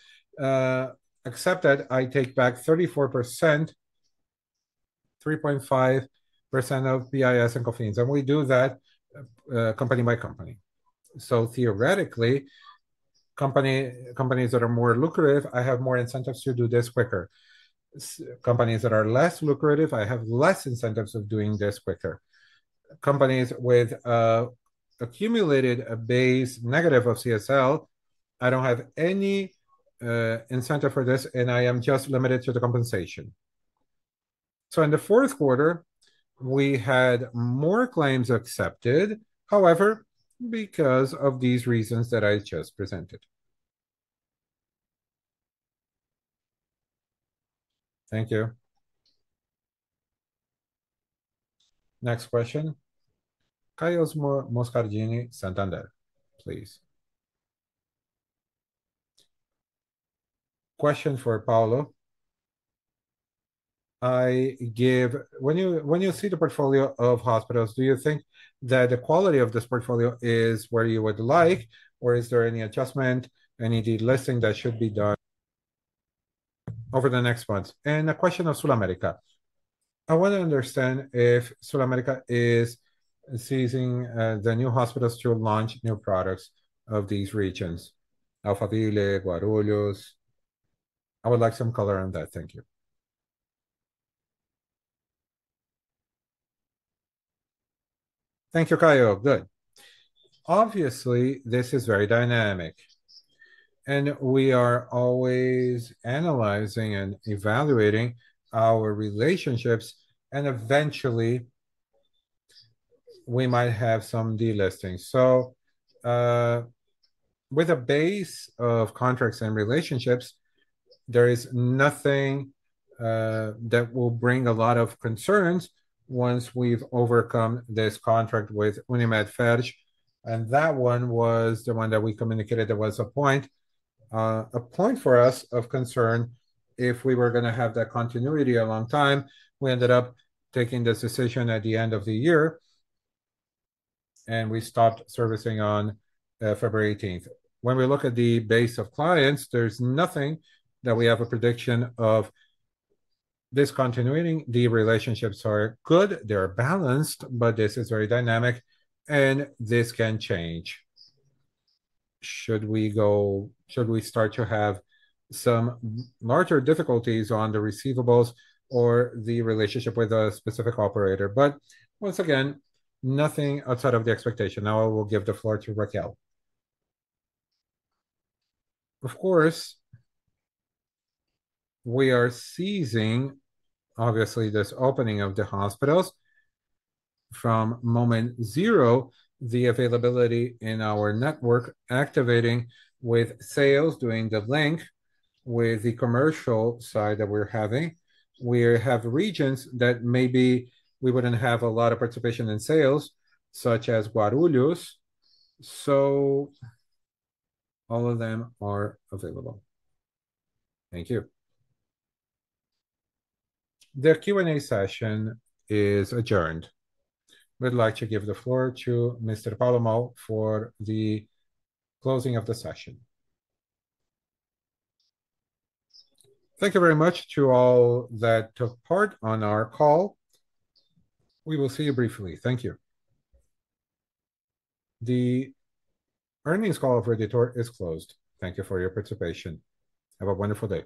accept that, I take back 3.4%, 3.5% of PIS and COFINS. We do that company by company. Theoretically, companies that are more lucrative, I have more incentives to do this quicker. Companies that are less lucrative, I have less incentives of doing this quicker. Companies with accumulated base negative of CSL, I do not have any incentive for this, and I am just limited to the compensation. In the fourth quarter, we had more claims accepted, however, because of these reasons that I just presented. Thank you. Next question. Carlos Moscarini, Santander, please. Question for Paulo. When you see the portfolio of hospitals, do you think that the quality of this portfolio is where you would like, or is there any adjustment, any delisting that should be done over the next months? A question on SulAmérica. I want to understand if SulAmérica is seizing the new hospitals to launch new products in these regions: Alphaville, Guarulhos. I would like some color on that. Thank you. Thank you, Caio. Good. Obviously, this is very dynamic, and we are always analyzing and evaluating our relationships, and eventually, we might have some delisting. With a base of contracts and relationships, there is nothing that will bring a lot of concerns once we have overcome this contract with Unimed FEJ. That one was the one that we communicated that was a point for us of concern if we were going to have that continuity a long time. We ended up taking this decision at the end of the year, and we stopped servicing on February 18th. When we look at the base of clients, there is nothing that we have a prediction of discontinuing. The relationships are good. They are balanced, but this is very dynamic, and this can change. Should we start to have some larger difficulties on the receivables or the relationship with a specific operator? Once again, nothing outside of the expectation. Now I will give the floor to Raquel. Of course, we are seizing, obviously, this opening of the hospitals from moment zero, the availability in our network, activating with sales, doing the link with the commercial side that we're having. We have regions that maybe we wouldn't have a lot of participation in sales, such as Guarulhos. All of them are available. Thank you. The Q&A session is adjourned. We'd like to give the floor to Mr. Paulo Moll for the closing of the session. Thank you very much to all that took part on our call. We will see you briefly. Thank you. The earnings call for the tour is closed. Thank you for your participation. Have a wonderful day.